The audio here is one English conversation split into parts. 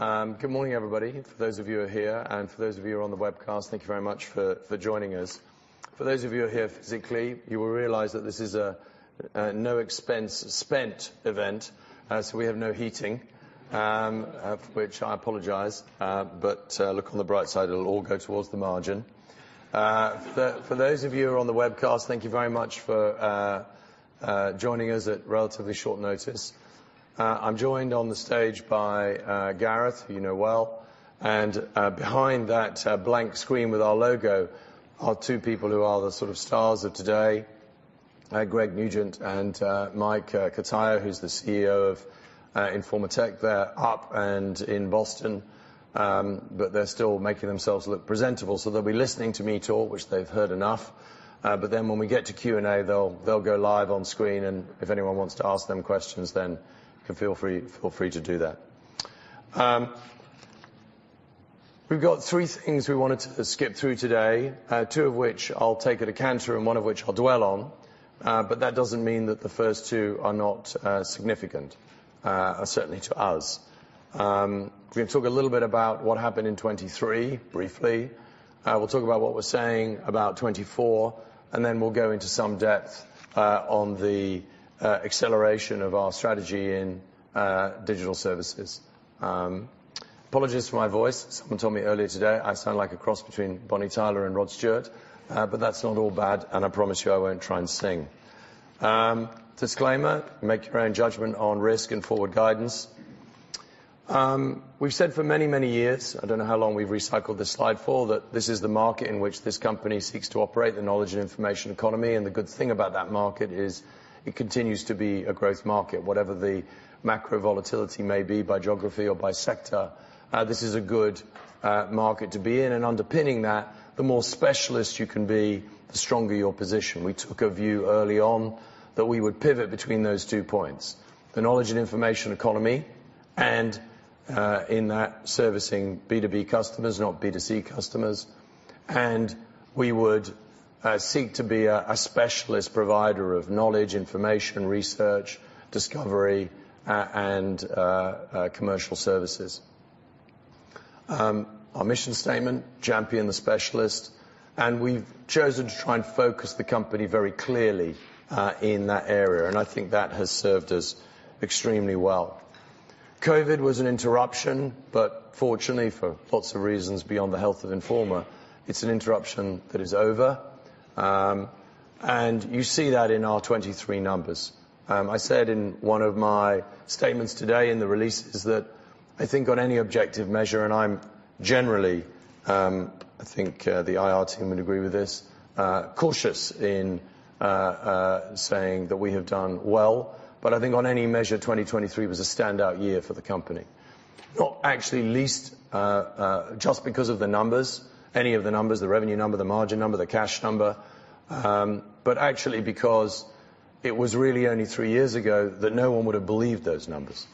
Good morning, everybody, for those of you who are here, and for those of you who are on the webcast, thank you very much for joining us. For those of you who are here physically, you will realize that this is a no expense spent event, so we have no heating, of which I apologize, but look on the bright side, it'll all go towards the margin. For those of you who are on the webcast, thank you very much for joining us at relatively short notice. I'm joined on the stage by Gareth, who you know well, and behind that blank screen with our logo are two people who are the sort of stars of today, Gary Nugent and Mike Cotoia, who's the CEO of Informa Tech. They're up and in Boston, but they're still making themselves look presentable. So they'll be listening to me talk, which they've heard enough, but then when we get to Q&A, they'll go live on screen, and if anyone wants to ask them questions, then you can feel free to do that. We've got three things we wanted to skip through today, two of which I'll take at a canter, and one of which I'll dwell on. But that doesn't mean that the first two are not significant, certainly to us. We're gonna talk a little bit about what happened in 2023, briefly. We'll talk about what we're saying about 2024, and then we'll go into some depth on the acceleration of our strategy in digital services. Apologies for my voice. Someone told me earlier today I sound like a cross between Bonnie Tyler and Rod Stewart, but that's not all bad, and I promise you I won't try and sing. Disclaimer, make your own judgment on risk and forward guidance. We've said for many, many years, I don't know how long we've recycled this slide for, that this is the market in which this company seeks to operate, the knowledge and information economy. And the good thing about that market is it continues to be a growth market. Whatever the macro volatility may be, by geography or by sector, this is a good market to be in. And underpinning that, the more specialist you can be, the stronger your position. We took a view early on that we would pivot between those two points, the knowledge and information economy, and in that servicing B2B customers, not B2C customers, and we would seek to be a specialist provider of knowledge, information, research, discovery, and commercial services. Our mission statement, champion the specialist, and we've chosen to try and focus the company very clearly in that area, and I think that has served us extremely well. COVID was an interruption, but fortunately, for lots of reasons beyond the health of Informa, it's an interruption that is over. And you see that in our 2023 numbers. I said in one of my statements today in the releases that I think on any objective measure, and I'm generally, I think, the IR team would agree with this, cautious in saying that we have done well. But I think on any measure, 2023 was a standout year for the company. Not actually least, just because of the numbers, any of the numbers, the revenue number, the margin number, the cash number, but actually because it was really only three years ago that no one would have believed those numbers.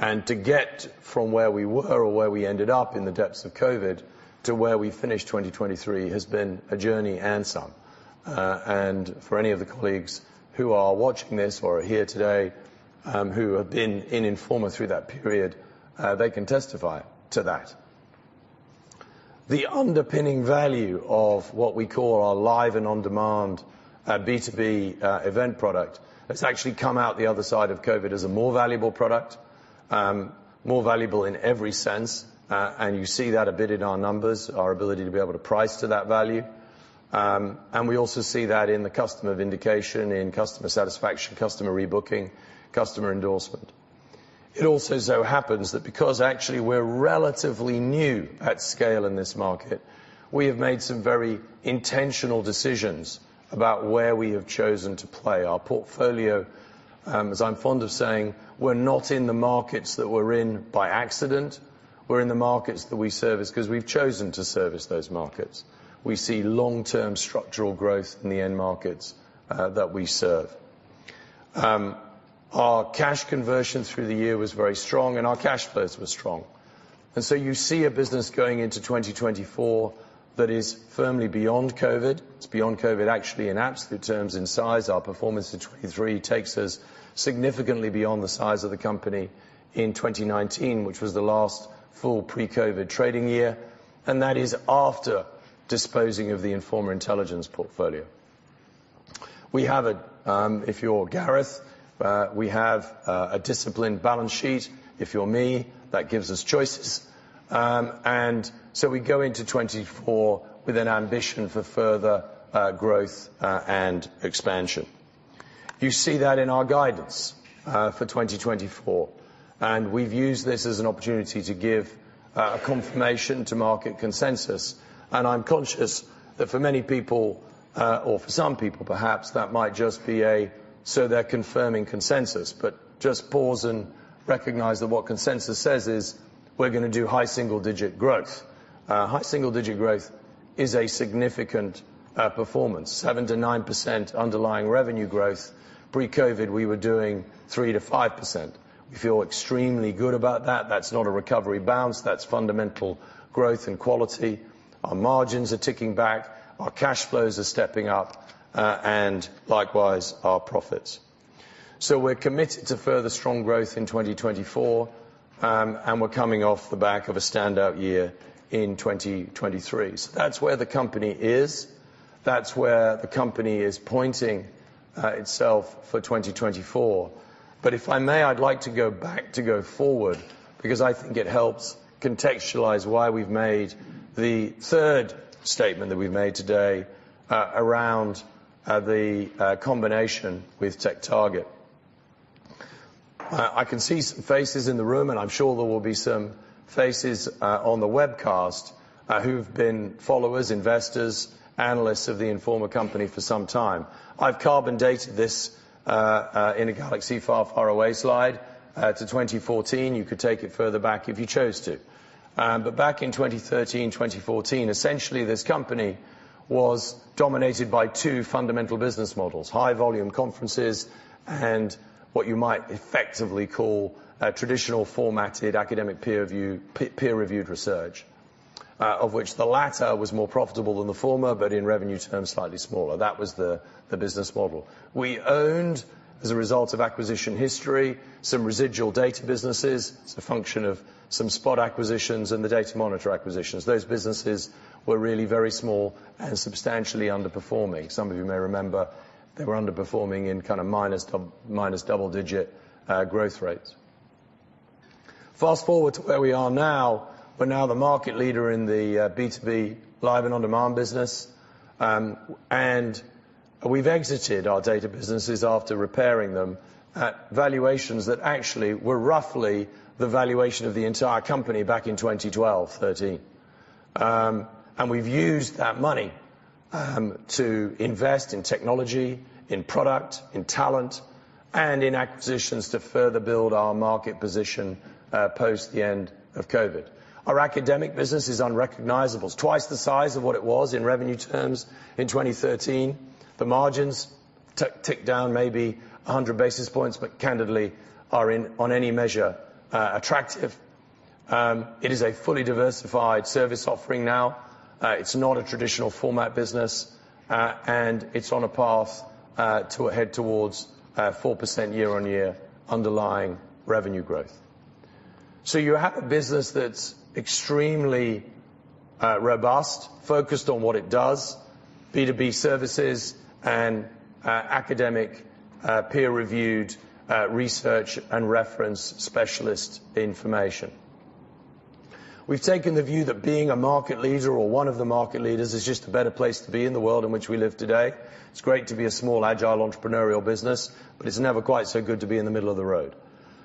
And to get from where we were or where we ended up in the depths of COVID, to where we finished 2023, has been a journey and some. And for any of the colleagues who are watching this or are here today, who have been in Informa through that period, they can testify to that. The underpinning value of what we call our live and on-demand B2B event product has actually come out the other side of COVID as a more valuable product, more valuable in every sense. And you see that a bit in our numbers, our ability to be able to price to that value. And we also see that in the customer vindication, in customer satisfaction, customer rebooking, customer endorsement. It also so happens that because actually we're relatively new at scale in this market, we have made some very intentional decisions about where we have chosen to play our portfolio. As I'm fond of saying, we're not in the markets that we're in by accident. We're in the markets that we service because we've chosen to service those markets. We see long-term structural growth in the end markets, that we serve. Our cash conversion through the year was very strong, and our cash flows were strong. And so you see a business going into 2024 that is firmly beyond COVID. It's beyond COVID actually in absolute terms in size. Our performance in 2023 takes us significantly beyond the size of the company in 2019, which was the last full pre-COVID trading year, and that is after disposing of the Informa Intelligence portfolio. We have a... If you're Gareth, we have, a disciplined balance sheet. If you're me, that gives us choices. And so we go into 2024 with an ambition for further, growth, and expansion. You see that in our guidance for 2024, and we've used this as an opportunity to give a confirmation to market consensus. And I'm conscious that for many people, or for some people, perhaps, that might just be a, "So they're confirming consensus," but just pause and recognize that what consensus says is we're gonna do high single-digit growth. High single-digit growth is a significant performance, 7%-9% underlying revenue growth. Pre-COVID, we were doing 3%-5%. We feel extremely good about that. That's not a recovery bounce. That's fundamental growth and quality. Our margins are ticking back, our cash flows are stepping up, and likewise, our profits. So we're committed to further strong growth in 2024, and we're coming off the back of a standout year in 2023. So that's where the company is, that's where the company is pointing itself for 2024. But if I may, I'd like to go back to go forward, because I think it helps contextualize why we've made the third statement that we've made today, around the combination with TechTarget. I can see some faces in the room, and I'm sure there will be some faces on the webcast who've been followers, investors, analysts of the Informa company for some time. I've carbon dated this, in a galaxy far, far away slide, to 2014. You could take it further back if you chose to. But back in 2013, 2014, essentially, this company was dominated by two fundamental business models: high volume conferences and what you might effectively call a traditional formatted academic peer view, peer-reviewed research. Of which the latter was more profitable than the former, but in revenue terms, slightly smaller. That was the business model. We owned, as a result of acquisition history, some residual data businesses as a function of some spot acquisitions and the Datamonitor acquisitions. Those businesses were really very small and substantially underperforming. Some of you may remember they were underperforming in kind of minus double-digit growth rates. Fast forward to where we are now, we're now the market leader in the B2B live and on-demand business. And we've exited our data businesses after repairing them at valuations that actually were roughly the valuation of the entire company back in 2012, 2013. We've used that money to invest in technology, in product, in talent, and in acquisitions to further build our market position post the end of COVID. Our academic business is unrecognizable. It's twice the size of what it was in revenue terms in 2013. The margins ticked down maybe 100 basis points, but candidly, are in on any measure attractive. It is a fully diversified service offering now. It's not a traditional format business, and it's on a path to head towards 4% year-on-year underlying revenue growth. So you have a business that's extremely robust, focused on what it does, B2B services and academic peer-reviewed research and reference specialist information. We've taken the view that being a market leader or one of the market leaders is just a better place to be in the world in which we live today. It's great to be a small, agile, entrepreneurial business, but it's never quite so good to be in the middle of the road.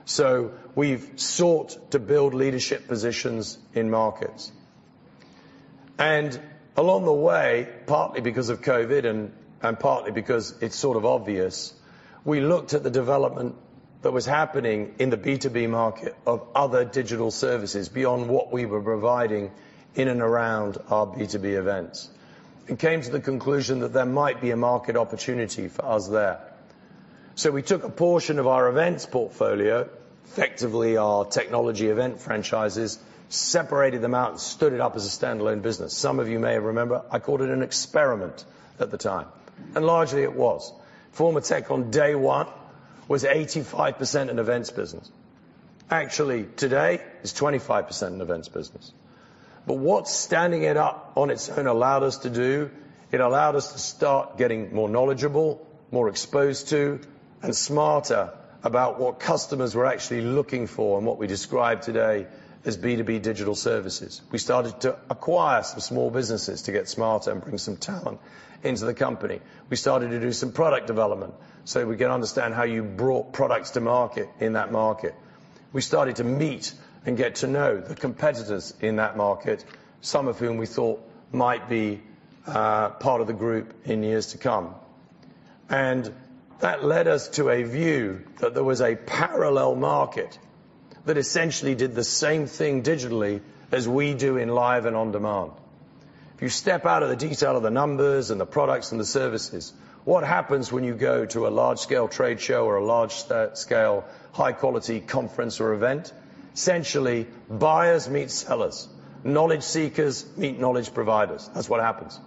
So we've sought to build leadership positions in markets. And along the way, partly because of COVID and partly because it's sort of obvious, we looked at the development that was happening in the B2B market of other digital services, beyond what we were providing in and around our B2B events, and came to the conclusion that there might be a market opportunity for us there. So we took a portion of our events portfolio, effectively our technology event franchises, separated them out, and stood it up as a standalone business. Some of you may remember, I called it an experiment at the time, and largely it was. Informa Tech on day one was 85% an events business. Actually, today, it's 25% an events business. But what standing it up on its own allowed us to do, it allowed us to start getting more knowledgeable, more exposed to, and smarter about what customers were actually looking for, and what we describe today as B2B Digital Services. We started to acquire some small businesses to get smarter and bring some talent into the company. We started to do some product development so we can understand how you brought products to market in that market. We started to meet and get to know the competitors in that market, some of whom we thought might be part of the group in years to come. That led us to a view that there was a parallel market that essentially did the same thing digitally as we do in live and on-demand. If you step out of the detail of the numbers and the products and the services, what happens when you go to a large-scale trade show or a large scale, high-quality conference or event? Essentially, buyers meet sellers, knowledge seekers meet knowledge providers. That's what happens.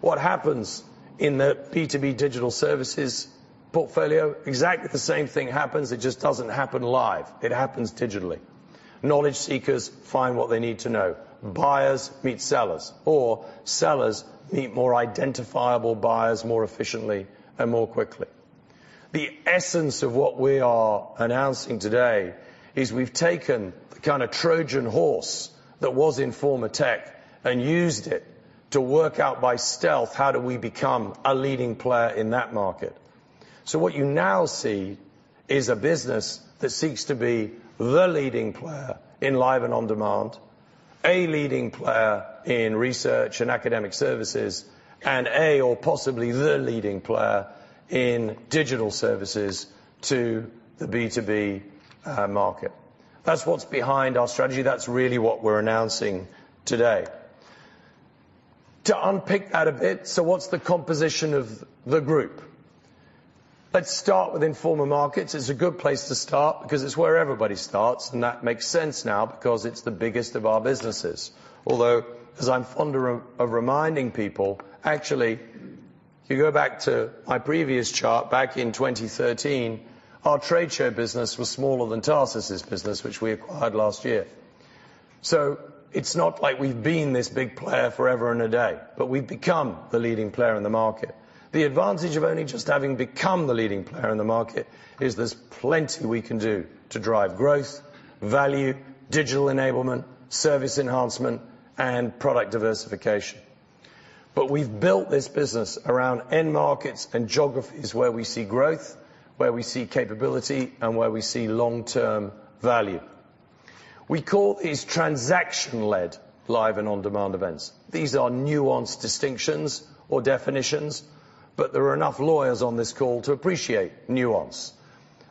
What happens in the B2B Digital Services portfolio? Exactly the same thing happens. It just doesn't happen live. It happens digitally. Knowledge seekers find what they need to know. Buyers meet sellers, or sellers meet more identifiable buyers more efficiently and more quickly. The essence of what we are announcing today is we've taken the kind of Trojan horse that was Informa Tech and used it to work out by stealth, how do we become a leading player in that market? So what you now see is a business that seeks to be the leading player in live and on-demand, a leading player in research and academic services, and a, or possibly the leading player in digital services to the B2B, market. That's what's behind our strategy. That's really what we're announcing today. To unpick that a bit, so what's the composition of the group?... Let's start with Informa Markets. It's a good place to start, because it's where everybody starts, and that makes sense now because it's the biggest of our businesses. Although, as I'm fond of reminding people, actually, if you go back to my previous chart, back in 2013, our trade show business was smaller than Tarsus' business, which we acquired last year. So it's not like we've been this big player forever and a day, but we've become the leading player in the market. The advantage of only just having become the leading player in the market is there's plenty we can do to drive growth, value, digital enablement, service enhancement, and product diversification. But we've built this business around end markets and geographies where we see growth, where we see capability, and where we see long-term value. We call these transaction-led live and on-demand events. These are nuanced distinctions or definitions, but there are enough lawyers on this call to appreciate nuance.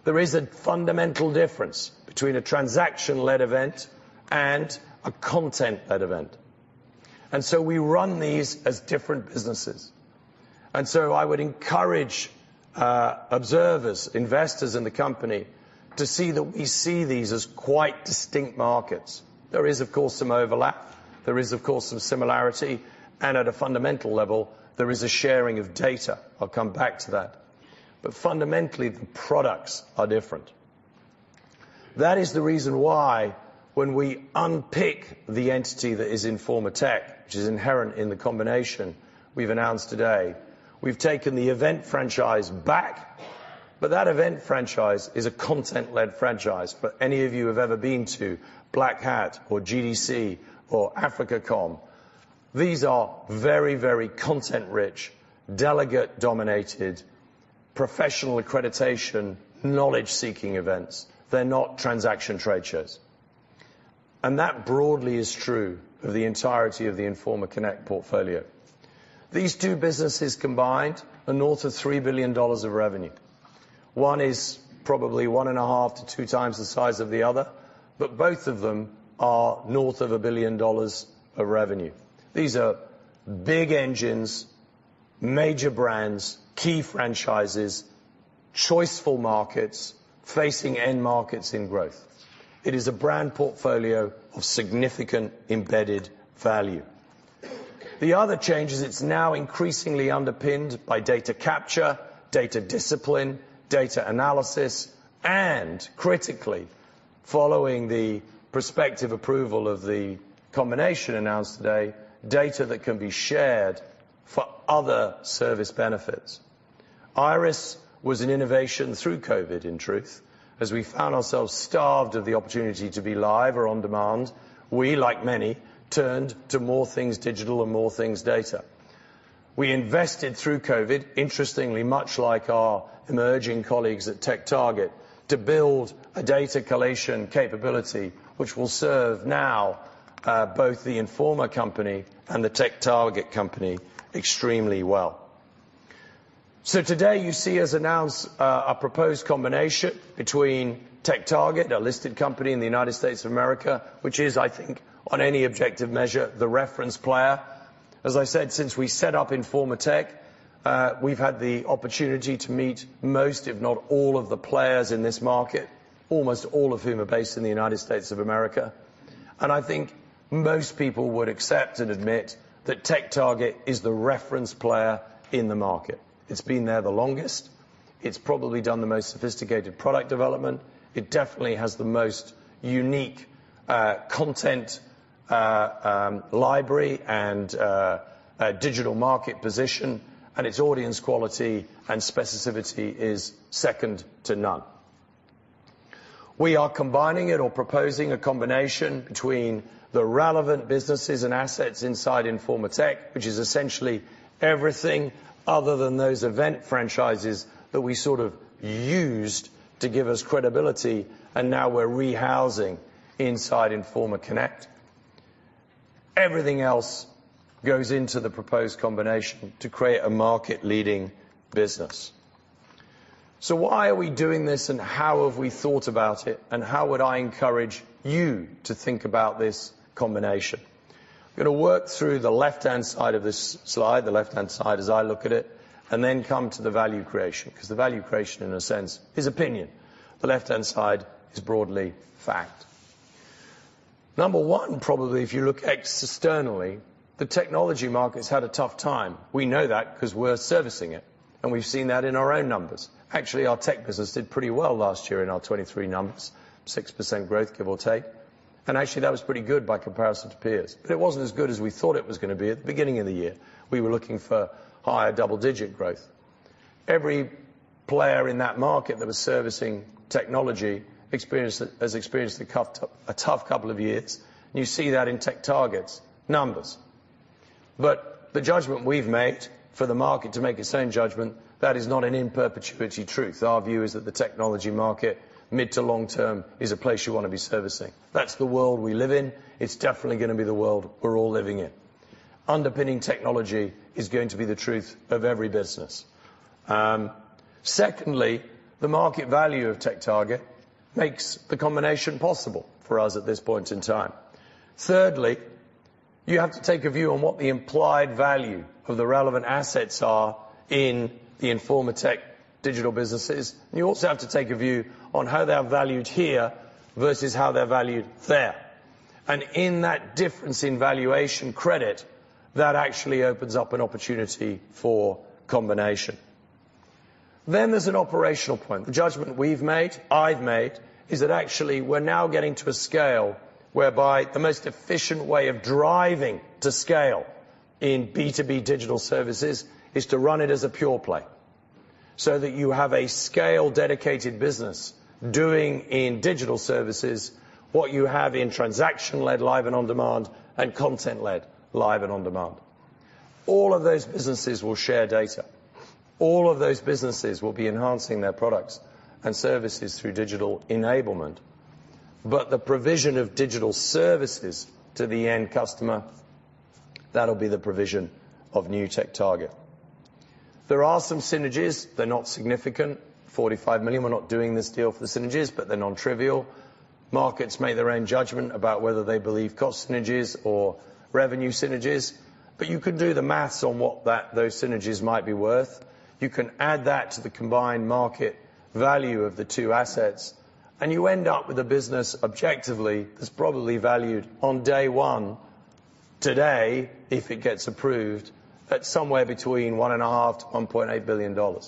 There is a fundamental difference between a transaction-led event and a content-led event, and so we run these as different businesses. And so I would encourage, observers, investors in the company, to see that we see these as quite distinct markets. There is, of course, some overlap. There is, of course, some similarity, and at a fundamental level, there is a sharing of data. I'll come back to that. But fundamentally, the products are different. That is the reason why when we unpick the entity that is Informa Tech, which is inherent in the combination we've announced today, we've taken the event franchise back, but that event franchise is a content-led franchise. For any of you who have ever been to Black Hat or GDC or AfricaCom, these are very, very content-rich, delegate-dominated, professional accreditation, knowledge-seeking events. They're not transaction trade shows. That broadly is true of the entirety of the Informa Connect portfolio. These two businesses combined are north of $3 billion of revenue. One is probably 1.5x-2x the size of the other, but both of them are north of $1 billion of revenue. These are big engines, major brands, key franchises, choiceful markets facing end markets in growth. It is a brand portfolio of significant embedded value. The other change is it's now increasingly underpinned by data capture, data discipline, data analysis, and critically, following the prospective approval of the combination announced today, data that can be shared for other service benefits. IIRIS was an innovation through COVID, in truth, as we found ourselves starved of the opportunity to be live or on demand. We, like many, turned to more things digital and more things data. We invested through COVID, interestingly, much like our emerging colleagues at TechTarget, to build a data collation capability, which will serve now, both the Informa company and the TechTarget company extremely well. So today, you see us announce, a proposed combination between TechTarget, a listed company in the United States of America, which is, I think, on any objective measure, the reference player. As I said, since we set up Informa Tech, we've had the opportunity to meet most, if not all, of the players in this market, almost all of whom are based in the United States of America. And I think most people would accept and admit that TechTarget is the reference player in the market. It's been there the longest. It's probably done the most sophisticated product development. It definitely has the most unique content library and a digital market position, and its audience quality and specificity is second to none. We are combining it or proposing a combination between the relevant businesses and assets inside Informa Tech, which is essentially everything other than those event franchises that we sort of used to give us credibility and now we're rehousing inside Informa Connect. Everything else goes into the proposed combination to create a market-leading business. So why are we doing this, and how have we thought about it, and how would I encourage you to think about this combination? I'm going to work through the left-hand side of this slide, the left-hand side, as I look at it, and then come to the value creation, because the value creation, in a sense, is opinion. The left-hand side is broadly fact. Number one, probably, if you look externally, the technology market's had a tough time. We know that 'cause we're servicing it, and we've seen that in our own numbers. Actually, our tech business did pretty well last year in our 2023 numbers, 6% growth, give or take. Actually, that was pretty good by comparison to peers, but it wasn't as good as we thought it was going to be at the beginning of the year. We were looking for higher double-digit growth. Every player in that market that was servicing technology has experienced a tough couple of years. You see that in TechTarget's numbers. But the judgment we've made for the market to make its own judgment, that is not an in perpetuity truth. Our view is that the technology market, mid- to long-term, is a place you want to be servicing. That's the world we live in. It's definitely going to be the world we're all living in. Underpinning technology is going to be the truth of every business. Secondly, the market value of TechTarget makes the combination possible for us at this point in time. Thirdly, you have to take a view on what the implied value of the relevant assets are in the Informa Tech digital businesses. You also have to take a view on how they are valued here versus how they're valued there. And in that difference in valuation credit, that actually opens up an opportunity for combination. Then there's an operational point. The judgment we've made, I've made, is that actually we're now getting to a scale whereby the most efficient way of driving to scale in B2B Digital Services is to run it as a pure play, so that you have a scale-dedicated business doing in digital services what you have in transaction-led live and on-demand, and content-led live and on-demand. All of those businesses will share data. All of those businesses will be enhancing their products and services through digital enablement. But the provision of digital services to the end customer, that'll be the provision new TechTarget. There are some synergies. They're not significant, $45 million. We're not doing this deal for the synergies, but they're non-trivial. Markets make their own judgment about whether they believe cost synergies or revenue synergies, but you can do the math on what that, those synergies might be worth. You can add that to the combined market value of the two assets, and you end up with a business, objectively, that's probably valued on day one, today, if it gets approved, at somewhere between $1.5 billion-$1.8 billion.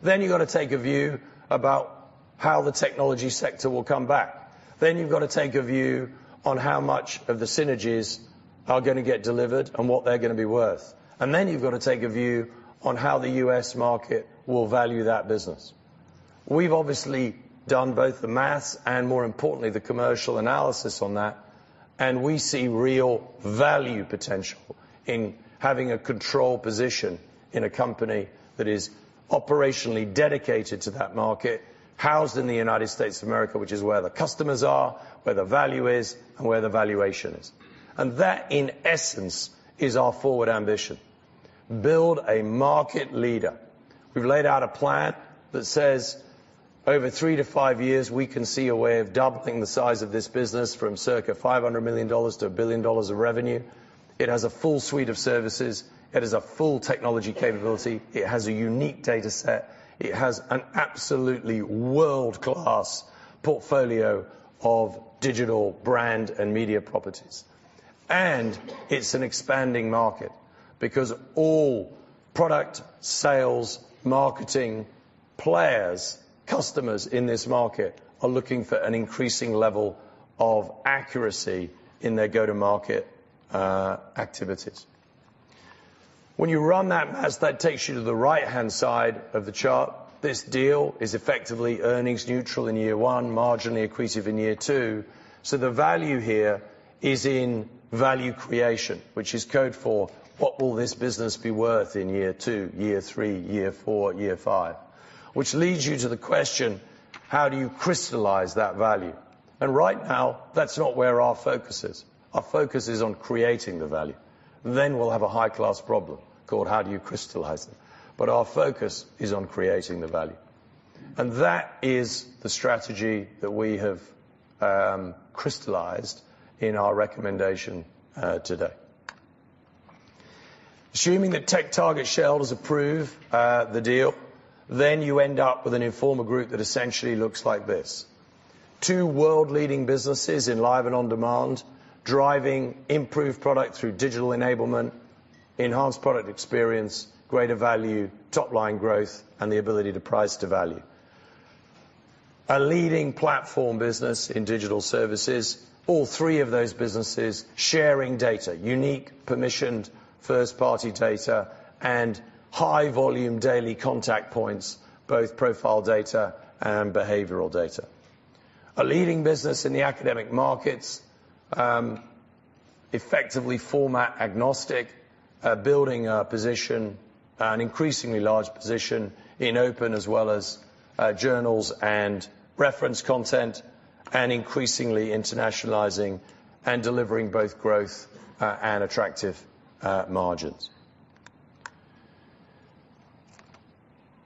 Then you've got to take a view about how the technology sector will come back. Then you've got to take a view on how much of the synergies are gonna get delivered and what they're gonna be worth. And then you've got to take a view on how the U.S. market will value that business. We've obviously done both the math and, more importantly, the commercial analysis on that, and we see real value potential in having a control position in a company that is operationally dedicated to that market, housed in the United States of America, which is where the customers are, where the value is, and where the valuation is. And that, in essence, is our forward ambition: build a market leader. We've laid out a plan that says over three to five years, we can see a way of doubling the size of this business from circa $500 million- $1 billion of revenue. It has a full suite of services. It has a full technology capability. It has a unique data set. It has an absolutely world-class portfolio of digital brand and media properties. It's an expanding market, because all product, sales, marketing players, customers in this market, are looking for an increasing level of accuracy in their go-to-market activities. When you run that math, that takes you to the right-hand side of the chart. This deal is effectively earnings neutral in year one, marginally accretive in year two. The value here is in value creation, which is code for what will this business be worth in year two, year three, year four, year five? Which leads you to the question: How do you crystallize that value? Right now, that's not where our focus is. Our focus is on creating the value. We'll have a high-class problem called how do you crystallize it? Our focus is on creating the value, and that is the strategy that we have crystallized in our recommendation today. Assuming that TechTarget shareholders approve the deal, then you end up with an Informa Group that essentially looks like this. Two world-leading businesses in live and on-demand, driving improved product through digital enablement, enhanced product experience, greater value, top-line growth, and the ability to price to value. A leading platform business in digital services, all three of those businesses sharing data, unique, permissioned, first-party data, and high-volume daily contact points, both profile data and behavioral data. A leading business in the academic markets, effectively format-agnostic, building a position, an increasingly large position in open as well as, journals and reference content, and increasingly internationalizing and delivering both growth, and attractive, margins.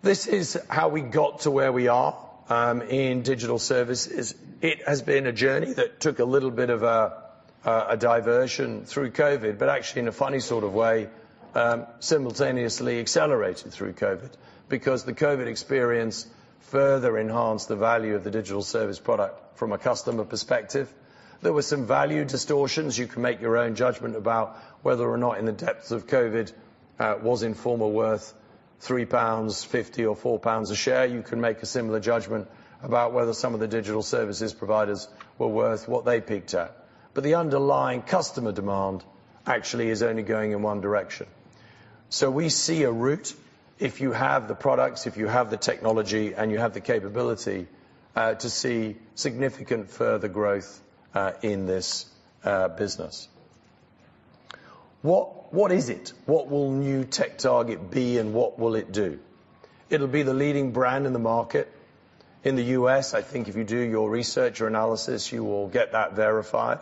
This is how we got to where we are, in digital services. It has been a journey that took a little bit of a diversion through COVID, but actually, in a funny sort of way, simultaneously accelerated through COVID, because the COVID experience further enhanced the value of the digital service product from a customer perspective. There were some value distortions. You can make your own judgment about whether or not in the depths of COVID, was Informa worth 3.50 pounds or 4 pounds a share. You can make a similar judgment about whether some of the digital services providers were worth what they peaked at. But the underlying customer demand actually is only going in one direction. So we see a route, if you have the products, if you have the technology, and you have the capability, to see significant further growth, in this, business. What is it? What new TechTarget be, and what will it do? It'll be the leading brand in the market. In the U.S., I think if you do your research or analysis, you will get that verified.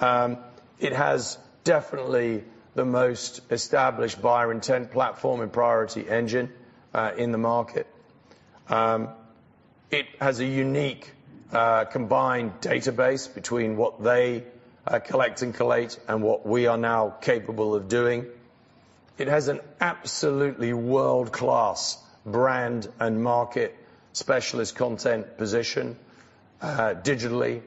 It has definitely the most established buyer intent platform and Priority Engine in the market. It has a unique combined database between what they collect and collate, and what we are now capable of doing. It has an absolutely world-class brand and market specialist content position digitally,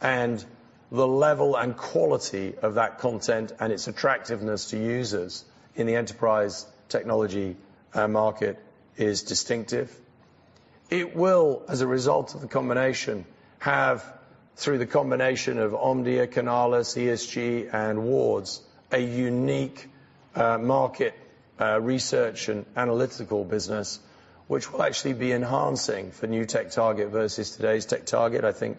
and the level and quality of that content and its attractiveness to users in the enterprise technology market is distinctive. It will, as a result of the combination, have, through the combination of Omdia, Canalys, ESG, and Wards, a unique market research and analytical business, which will actually be enhancing new TechTarget versus today's TechTarget. I think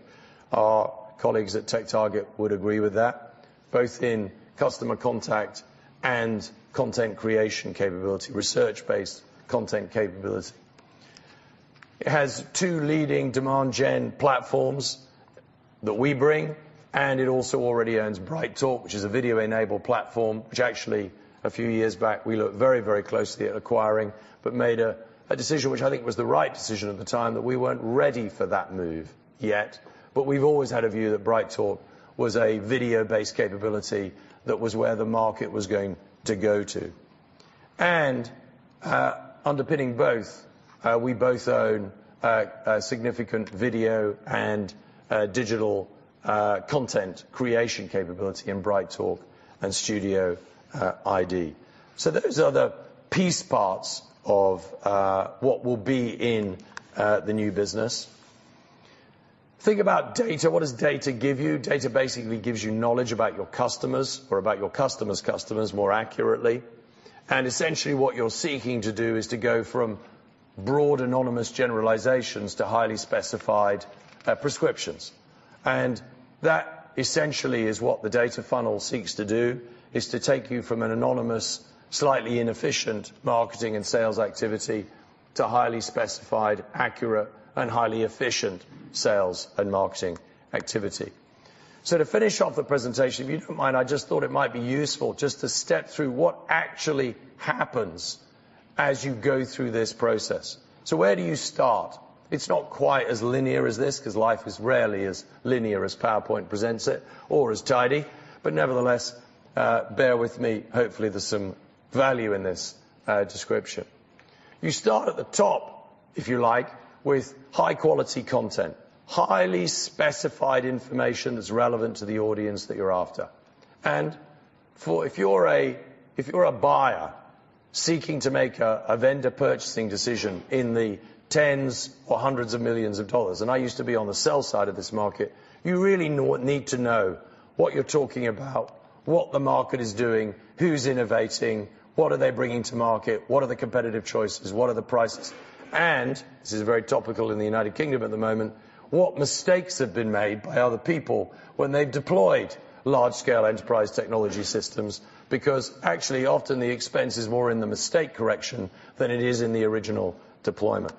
our colleagues at TechTarget would agree with that, both in customer contact and content creation capability, research-based content capability. It has two leading demand gen platforms that we bring, and it also already owns BrightTALK, which is a video-enabled platform, which actually, a few years back, we looked very, very closely at acquiring, but made a, a decision, which I think was the right decision at the time, that we weren't ready for that move yet. But we've always had a view that BrightTALK was a video-based capability that was where the market was going to go to. And, underpinning both, we both own, a significant video and, digital, content creation capability in BrightTALK and StudioID. So those are the piece parts of, what will be in, the new business. Think about data. What does data give you? Data basically gives you knowledge about your customers or about your customers' customers, more accurately. And essentially, what you're seeking to do is to go from broad, anonymous generalizations to highly specified prescriptions. And that, essentially, is what the data funnel seeks to do, is to take you from an anonymous, slightly inefficient marketing and sales activity to highly specified, accurate, and highly efficient sales and marketing activity. So to finish off the presentation, if you don't mind, I just thought it might be useful just to step through what actually happens as you go through this process. So where do you start? It's not quite as linear as this, 'cause life is rarely as linear as PowerPoint presents it, or as tidy, but nevertheless, bear with me. Hopefully, there's some value in this description. You start at the top, if you like, with high-quality content, highly specified information that's relevant to the audience that you're after. If you're a buyer seeking to make a vendor purchasing decision in the tens or hundreds of millions of dollars, and I used to be on the sell side of this market, you really need to know what you're talking about, what the market is doing, who's innovating, what are they bringing to market? What are the competitive choices? What are the prices? And this is very topical in the United Kingdom at the moment, what mistakes have been made by other people when they've deployed large-scale enterprise technology systems? Because actually, often the expense is more in the mistake correction than it is in the original deployment.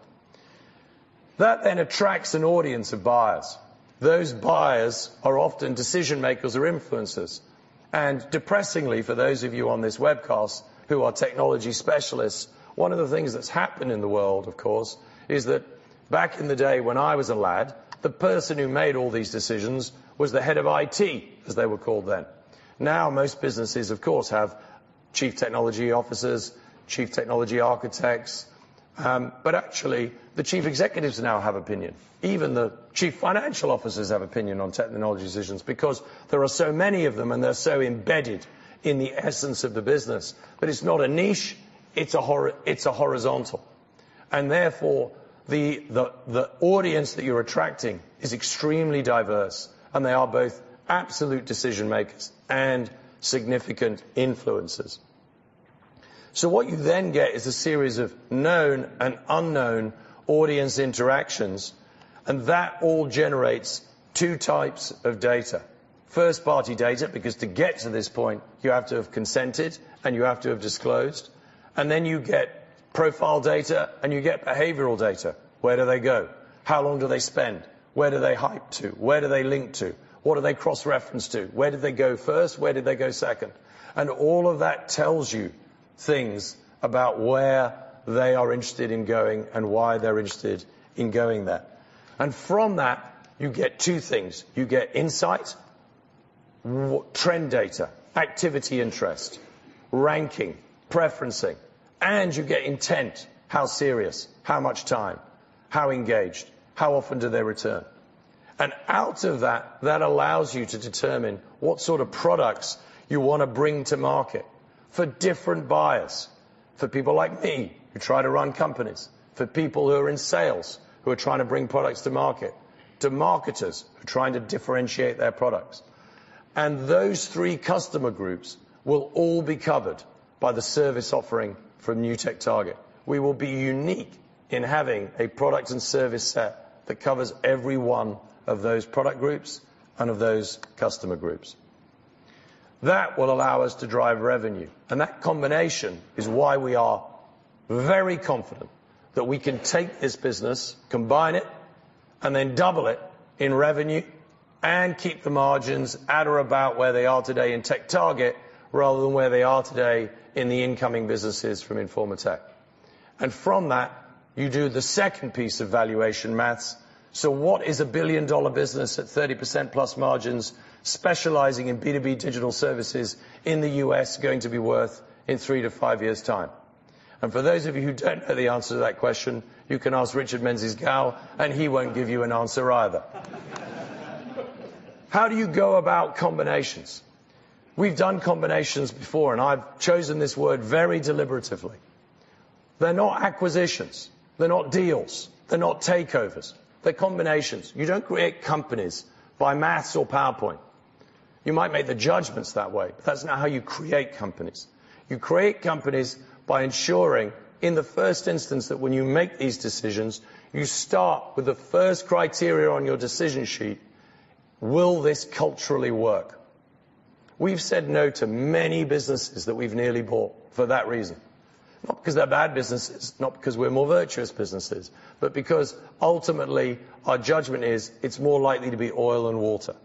That then attracts an audience of buyers. Those buyers are often decision makers or influencers. And depressingly, for those of you on this webcast who are technology specialists, one of the things that's happened in the world, of course, is that back in the day when I was a lad, the person who made all these decisions was the head of IT, as they were called then. Now, most businesses, of course, have Chief Technology Officers, Chief Technology Architects, but actually, the Chief Executives now have opinion. Even the Chief Financial Officers have opinion on technology decisions because there are so many of them, and they're so embedded in the essence of the business. But it's not a niche, it's a horizontal, and therefore, the audience that you're attracting is extremely diverse, and they are both absolute decision makers and significant influencers. So what you then get is a series of known and unknown audience interactions, and that all generates two types of data. First-party data, because to get to this point, you have to have consented, and you have to have disclosed, and then you get profile data, and you get behavioral data. Where do they go? How long do they spend? Where do they hype to? Where do they link to? What do they cross-reference to? Where do they go first? Where do they go second? And all of that tells you things about where they are interested in going and why they're interested in going there. And from that, you get two things. You get insight, trend data, activity interest, ranking, preferencing, and you get intent. How serious, how much time, how engaged, how often do they return? Out of that, that allows you to determine what sort of products you want to bring to market for different buyers, for people like me, who try to run companies, for people who are in sales, who are trying to bring products to market, to marketers who are trying to differentiate their products. Those three customer groups will all be covered by the service offering from new Tech Target. We will be unique in having a product and service set that covers every one of those product groups and of those customer groups. That will allow us to drive revenue, and that combination is why we are very confident that we can take this business, combine it, and then double it in revenue and keep the margins at or about where they are today in TechTarget, rather than where they are today in the incoming businesses from Informa Tech. And from that, you do the second piece of valuation maths. So what is a billion-dollar business at 30%+ margins, specializing in B2B Digital Services in the U.S., going to be worth in three to five years' time? And for those of you who don't know the answer to that question, you can ask Richard Menzies-Gow, and he won't give you an answer either. How do you go about combinations? We've done combinations before, and I've chosen this word very deliberately. They're not acquisitions, they're not deals, they're not takeovers, they're combinations. You don't create companies by maths or PowerPoint. You might make the judgments that way, but that's not how you create companies. You create companies by ensuring, in the first instance, that when you make these decisions, you start with the first criteria on your decision sheet: Will this culturally work? We've said no to many businesses that we've nearly bought for that reason. Not because they're bad businesses, not because we're more virtuous businesses, but because ultimately our judgment is it's more likely to be oil and water.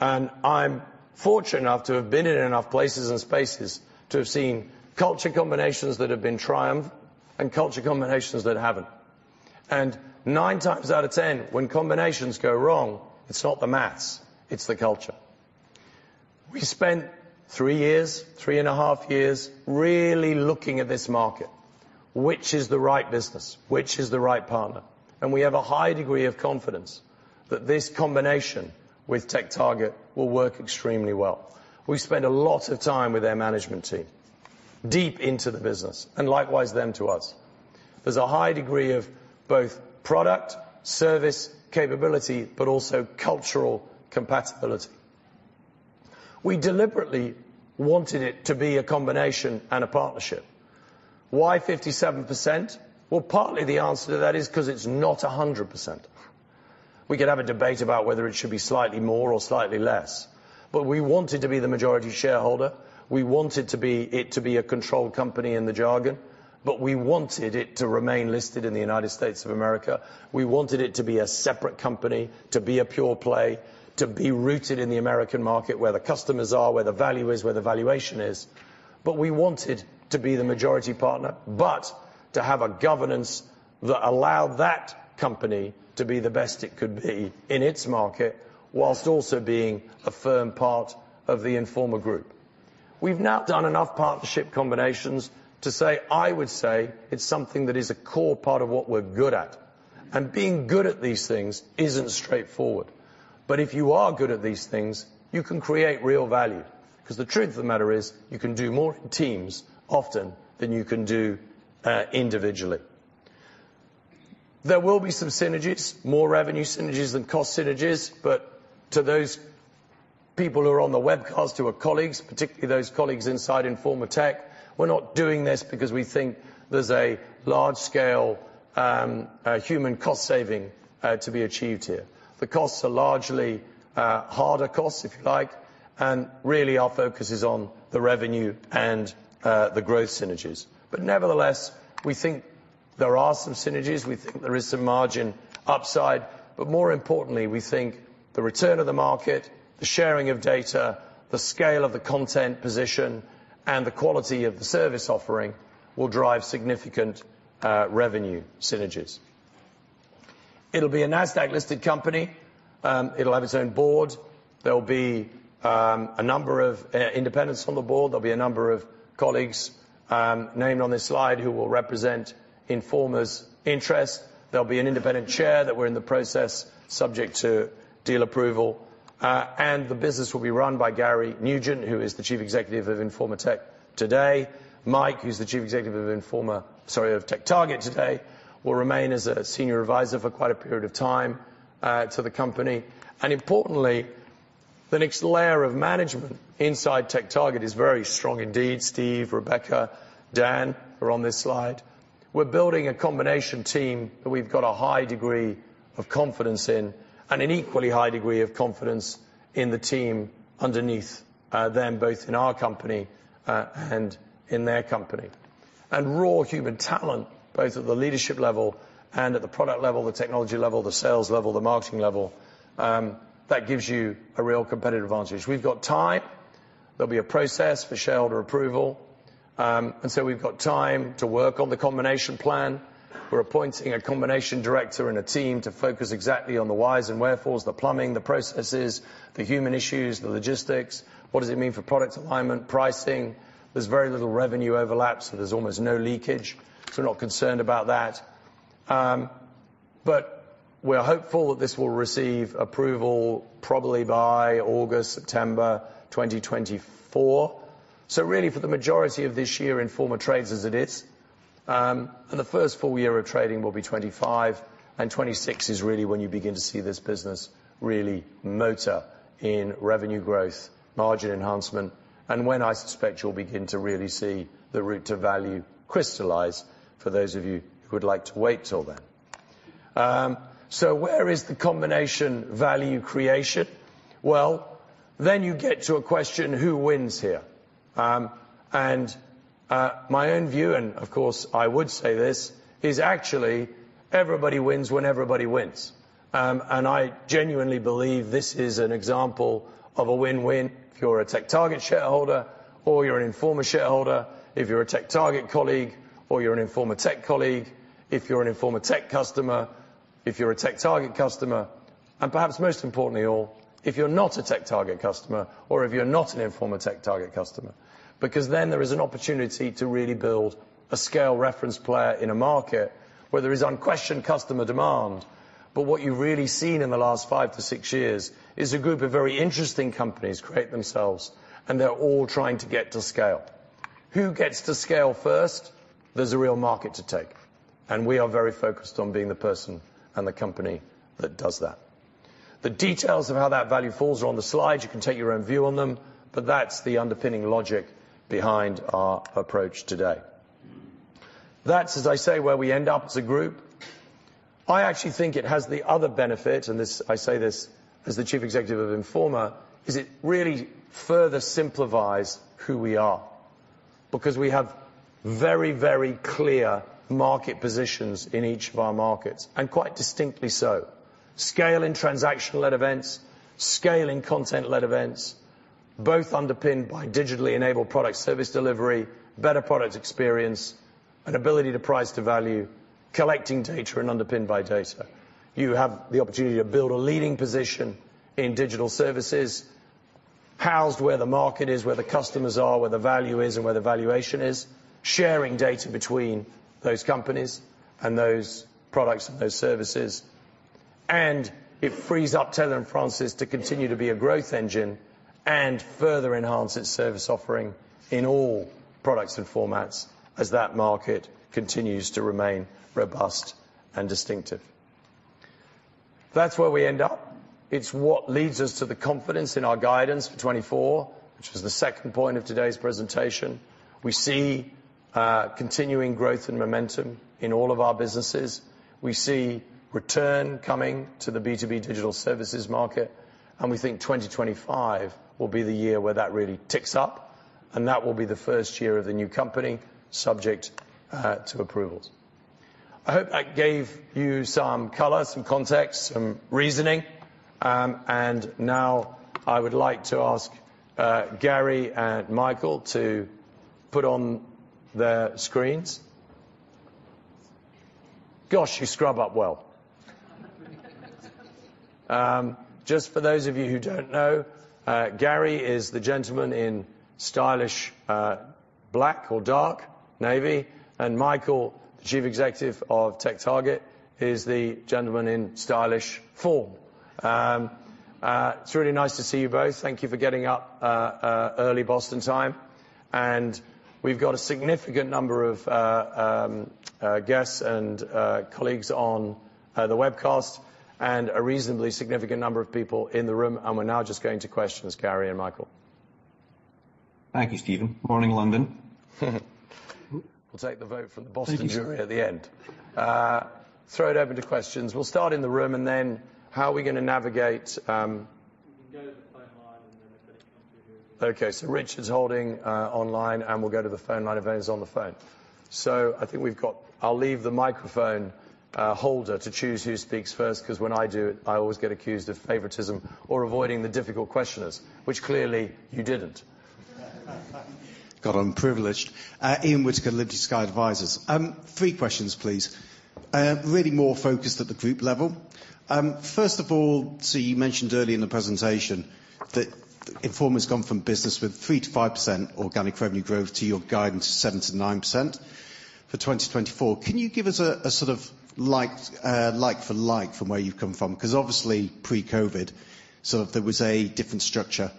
And I'm fortunate enough to have been in enough places and spaces to have seen culture combinations that have been triumphed and culture combinations that haven't. And nine times out of 10, when combinations go wrong, it's not the math, it's the culture. We spent three years, 3.5 years, really looking at this market. Which is the right business? Which is the right partner? And we have a high degree of confidence that this combination with TechTarget will work extremely well. We've spent a lot of time with their management team, deep into the business, and likewise them to us. There's a high degree of both product, service, capability, but also cultural compatibility. We deliberately wanted it to be a combination and a partnership. Why 57%? Well, partly the answer to that is because it's not 100%. We could have a debate about whether it should be slightly more or slightly less, but we wanted to be the majority shareholder. We wanted to be, it to be a controlled company in the jargon, but we wanted it to remain listed in the United States of America. We wanted it to be a separate company, to be a pure play, to be rooted in the American market, where the customers are, where the value is, where the valuation is. But we wanted to be the majority partner, but to have a governance that allowed that company to be the best it could be in its market, whilst also being a firm part of the Informa Group. We've now done enough partnership combinations to say, I would say, it's something that is a core part of what we're good at. And being good at these things isn't straightforward. But if you are good at these things, you can create real value, because the truth of the matter is, you can do more in teams often than you can do individually. There will be some synergies, more revenue synergies than cost synergies, but to those people who are on the webcast, who are colleagues, particularly those colleagues inside Informa Tech, we're not doing this because we think there's a large-scale human cost saving to be achieved here. The costs are largely, harder costs, if you like, and really our focus is on the revenue and, the growth synergies. But nevertheless, we think there are some synergies. We think there is some margin upside, but more importantly, we think the return of the market, the sharing of data, the scale of the content position, and the quality of the service offering will drive significant, revenue synergies. It'll be a Nasdaq-listed company. It'll have its own board. There'll be, a number of, independents on the board. There'll be a number of colleagues, named on this slide who will represent Informa's interests. There'll be an independent chair that we're in the process, subject to deal approval, and the business will be run by Gary Nugent, who is the Chief Executive of Informa Tech today. Mike, who's the Chief Executive of Informa, sorry, of TechTarget today, will remain as a senior advisor for quite a period of time, to the company. Importantly, the next layer of management inside TechTarget is very strong indeed. Steve, Rebecca, Dan, are on this slide. We're building a combination team that we've got a high degree of confidence in, and an equally high degree of confidence in the team underneath, them, both in our company, and in their company. Raw human talent, both at the leadership level and at the product level, the technology level, the sales level, the marketing level, that gives you a real competitive advantage. We've got time. There'll be a process for shareholder approval. So we've got time to work on the combination plan. We're appointing a combination director and a team to focus exactly on the whys and wherefores, the plumbing, the processes, the human issues, the logistics. What does it mean for product alignment, pricing? There's very little revenue overlap, so there's almost no leakage, so we're not concerned about that. But we're hopeful that this will receive approval probably by August, September 2024. So really, for the majority of this year, Informa trades as it is, and the first full year of trading will be 2025, and 2026 is really when you begin to see this business really motor in revenue growth, margin enhancement, and when I suspect you'll begin to really see the route to value crystallize for those of you who would like to wait till then. So where is the combination value creation? Well, then you get to a question, who wins here?... My own view, and of course I would say this, is actually everybody wins when everybody wins. I genuinely believe this is an example of a win-win. If you're a TechTarget shareholder or you're an Informa shareholder, if you're a TechTarget colleague, or you're an Informa Tech colleague, if you're an Informa Tech customer, if you're a TechTarget customer, and perhaps most importantly all, if you're not a TechTarget customer, or if you're not an Informa TechTarget customer. Because then there is an opportunity to really build a scale reference player in a market where there is unquestioned customer demand. But what you've really seen in the last five to six years is a group of very interesting companies create themselves, and they're all trying to get to scale. Who gets to scale first? There's a real market to take, and we are very focused on being the person and the company that does that. The details of how that value falls are on the slide. You can take your own view on them, but that's the underpinning logic behind our approach today. That's, as I say, where we end up as a group. I actually think it has the other benefit, and this, I say this as the Chief Executive of Informa, is it really further simplifies who we are. Because we have very, very clear market positions in each of our markets, and quite distinctly so. Scale in transaction-led events, scale in content-led events, both underpinned by digitally enabled product service delivery, better product experience, and ability to price to value, collecting data and underpinned by data. You have the opportunity to build a leading position in digital services, housed where the market is, where the customers are, where the value is, and where the valuation is. Sharing data between those companies and those products and those services. And it frees up Taylor & Francis to continue to be a growth engine and further enhance its service offering in all products and formats as that market continues to remain robust and distinctive. That's where we end up. It's what leads us to the confidence in our guidance for 2024, which was the second point of today's presentation. We see continuing growth and momentum in all of our businesses. We see return coming to the B2B Digital Services market, and we think 2025 will be the year where that really ticks up, and that will be the first year of the new company, subject to approvals. I hope that gave you some color, some context, some reasoning. And now I would like to ask Gary and Michael to put on their screens. Gosh, you scrub up well! Just for those of you who don't know, Gary is the gentleman in stylish black or dark navy, and Michael, the Chief Executive of TechTarget, is the gentleman in stylish form. It's really nice to see you both. Thank you for getting up early Boston time. We've got a significant number of guests and colleagues on the webcast, and a reasonably significant number of people in the room. We're now just going to questions, Gary and Michael. Thank you, Stephen. Morning, London. We'll take the vote from the Boston jury at the end. Thank you. Throw it open to questions. We'll start in the room and then, how are we going to navigate? You can go to the phone line, and then we'll get to here. Okay, so Rich is holding online, and we'll go to the phone line if anyone is on the phone. So I think we've got. I'll leave the microphone holder to choose who speaks first, 'cause when I do it, I always get accused of favoritism or avoiding the difficult questioners, which clearly you didn't. God, I'm privileged. Ian Whittaker, Liberty Sky Advisors. Three questions, please. Really more focused at the group level. First of all, so you mentioned earlier in the presentation that Informa has gone from business with 3%-5% organic revenue growth to your guidance of 7%-9% for 2024. Can you give us a, a sort of like, like for like from where you've come from? Because obviously pre-COVID, sort of there was a different structure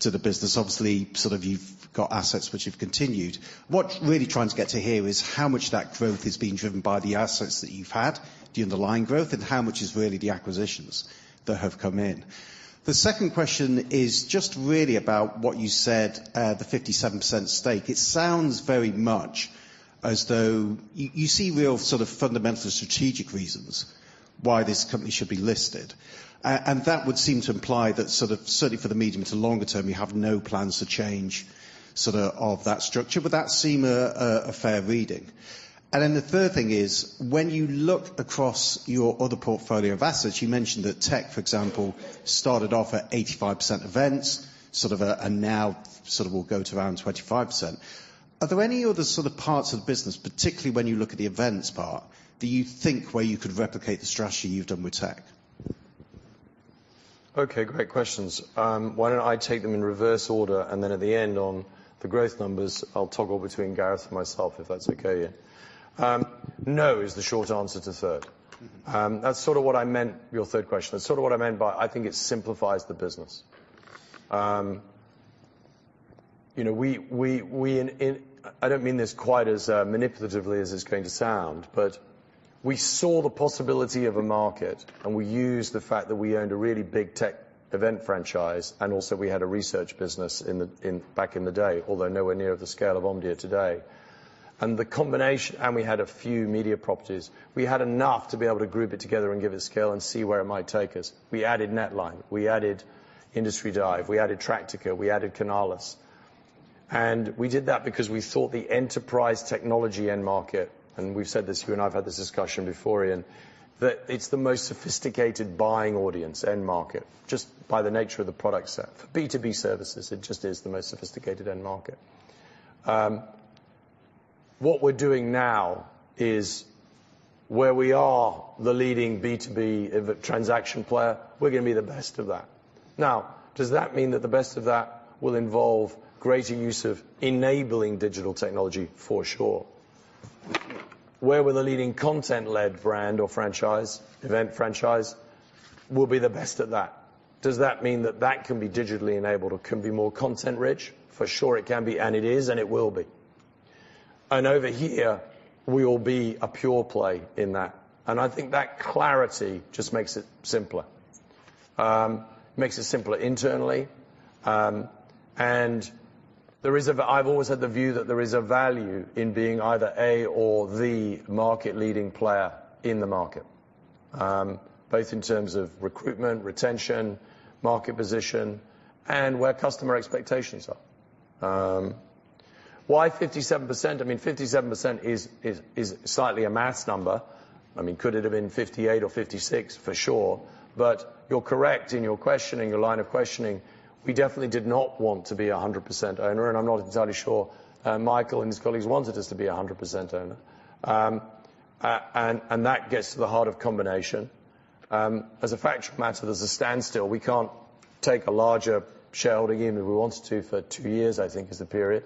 to the business. Obviously, sort of you've got assets which have continued. What I'm really trying to get to here is how much of that growth is being driven by the assets that you've had, the underlying growth, and how much is really the acquisitions that have come in? The second question is just really about what you said, the 57% stake. It sounds very much as though you see real sort of fundamental strategic reasons why this company should be listed. And that would seem to imply that sort of, certainly for the medium to longer term, you have no plans to change sort of, of that structure. Would that seem a fair reading? And then the third thing is, when you look across your other portfolio of assets, you mentioned that tech, for example, started off at 85% events, sort of, and now sort of will go to around 25%. Are there any other sort of parts of the business, particularly when you look at the events part, do you think where you could replicate the strategy you've done with Tech? Okay, great questions. Why don't I take them in reverse order, and then at the end on the growth numbers, I'll toggle between Gareth and myself, if that's okay? No is the short answer to third. That's sort of what I meant, your third question. That's sort of what I meant by I think it simplifies the business. You know, I don't mean this quite as manipulatively as it's going to sound, but we saw the possibility of a market, and we used the fact that we owned a really big tech event franchise, and also we had a research business in the back in the day, although nowhere near the scale of Omdia today... and the combination, and we had a few media properties. We had enough to be able to group it together and give it scale and see where it might take us. We added NetLine, we added Industry Dive, we added Tractica, we added Canalys. And we did that because we thought the enterprise technology end market, and we've said this, you and I have had this discussion before, Ian, that it's the most sophisticated buying audience, end market, just by the nature of the product set. For B2B services, it just is the most sophisticated end market. What we're doing now is where we are the leading B2B event transaction player, we're gonna be the best of that. Now, does that mean that the best of that will involve greater use of enabling digital technology? For sure. Where we are the leading content-led brand or franchise, event franchise will be the best at that. Does that mean that that can be digitally enabled or can be more content rich? For sure it can be, and it is, and it will be. And over here, we will be a pure play in that, and I think that clarity just makes it simpler. Makes it simpler internally. And there is a-- I've always had the view that there is a value in being either A or the market leading player in the market. Both in terms of recruitment, retention, market position, and where customer expectations are. Why 57%? I mean, 57% is slightly a mass number. I mean, could it have been 58% or 56%? For sure. But you're correct in your questioning, your line of questioning. We definitely did not want to be 100% owner, and I'm not entirely sure Michael and his colleagues wanted us to be 100% owner. And that gets to the heart of combination. As a matter of fact, there's a standstill. We can't take a larger shareholding even if we wanted to, for two years, I think, is the period.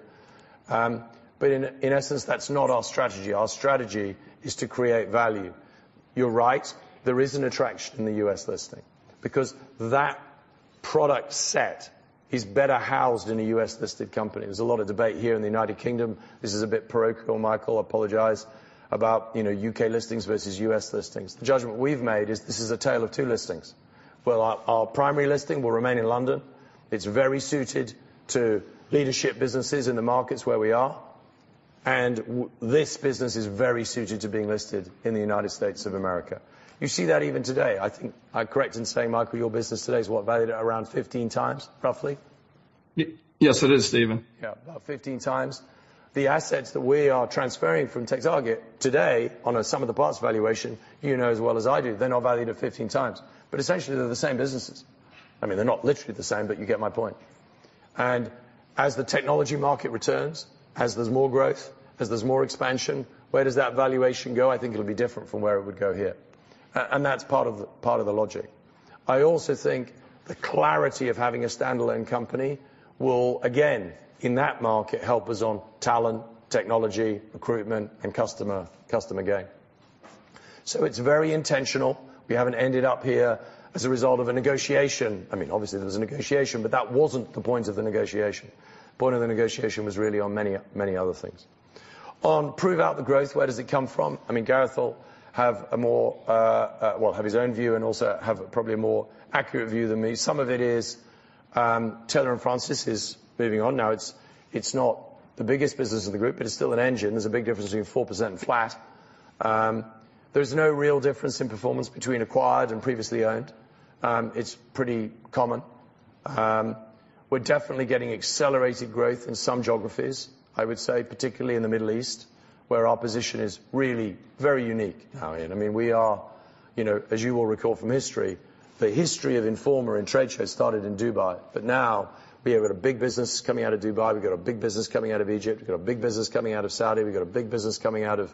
But in essence, that's not our strategy. Our strategy is to create value. You're right, there is an attraction in the U.S. listing because that product set is better housed in a U.S.-listed company. There's a lot of debate here in the United Kingdom. This is a bit parochial, Michael, I apologize, about, you know, U.K. listings versus U.S. listings. The judgment we've made is this is a tale of two listings, where our primary listing will remain in London. It's very suited to leadership businesses in the markets where we are, and this business is very suited to being listed in the United States of America. You see that even today. I think, am I correct in saying, Michael, your business today is what? Valued at around 15x, roughly? Yes, it is, Stephen. Yeah, about 15x. The assets that we are transferring from TechTarget today, on a sum of the parts valuation, you know as well as I do, they're not valued at 15x. But essentially they're the same businesses. I mean, they're not literally the same, but you get my point. And as the technology market returns, as there's more growth, as there's more expansion, where does that valuation go? I think it'll be different from where it would go here. And that's part of the, part of the logic. I also think the clarity of having a standalone company will again, in that market, help us on talent, technology, recruitment, and customer, customer gain. So it's very intentional. We haven't ended up here as a result of a negotiation. I mean, obviously there was a negotiation, but that wasn't the point of the negotiation. The point of the negotiation was really on many, many other things. On prove out the growth, where does it come from? I mean, Gareth will have a more, well, have his own view, and also have probably a more accurate view than me. Some of it is, Taylor & Francis is moving on now. It's, it's not the biggest business of the group, but it's still an engine. There's a big difference between 4% and flat. There's no real difference in performance between acquired and previously owned. It's pretty common. We're definitely getting accelerated growth in some geographies, I would say, particularly in the Middle East, where our position is really very unique now. I mean, we are, you know, as you will recall from history, the history of Informa and trade show started in Dubai. But now we have got a big business coming out of Dubai. We've got a big business coming out of Egypt. We've got a big business coming out of Saudi. We've got a big business coming out of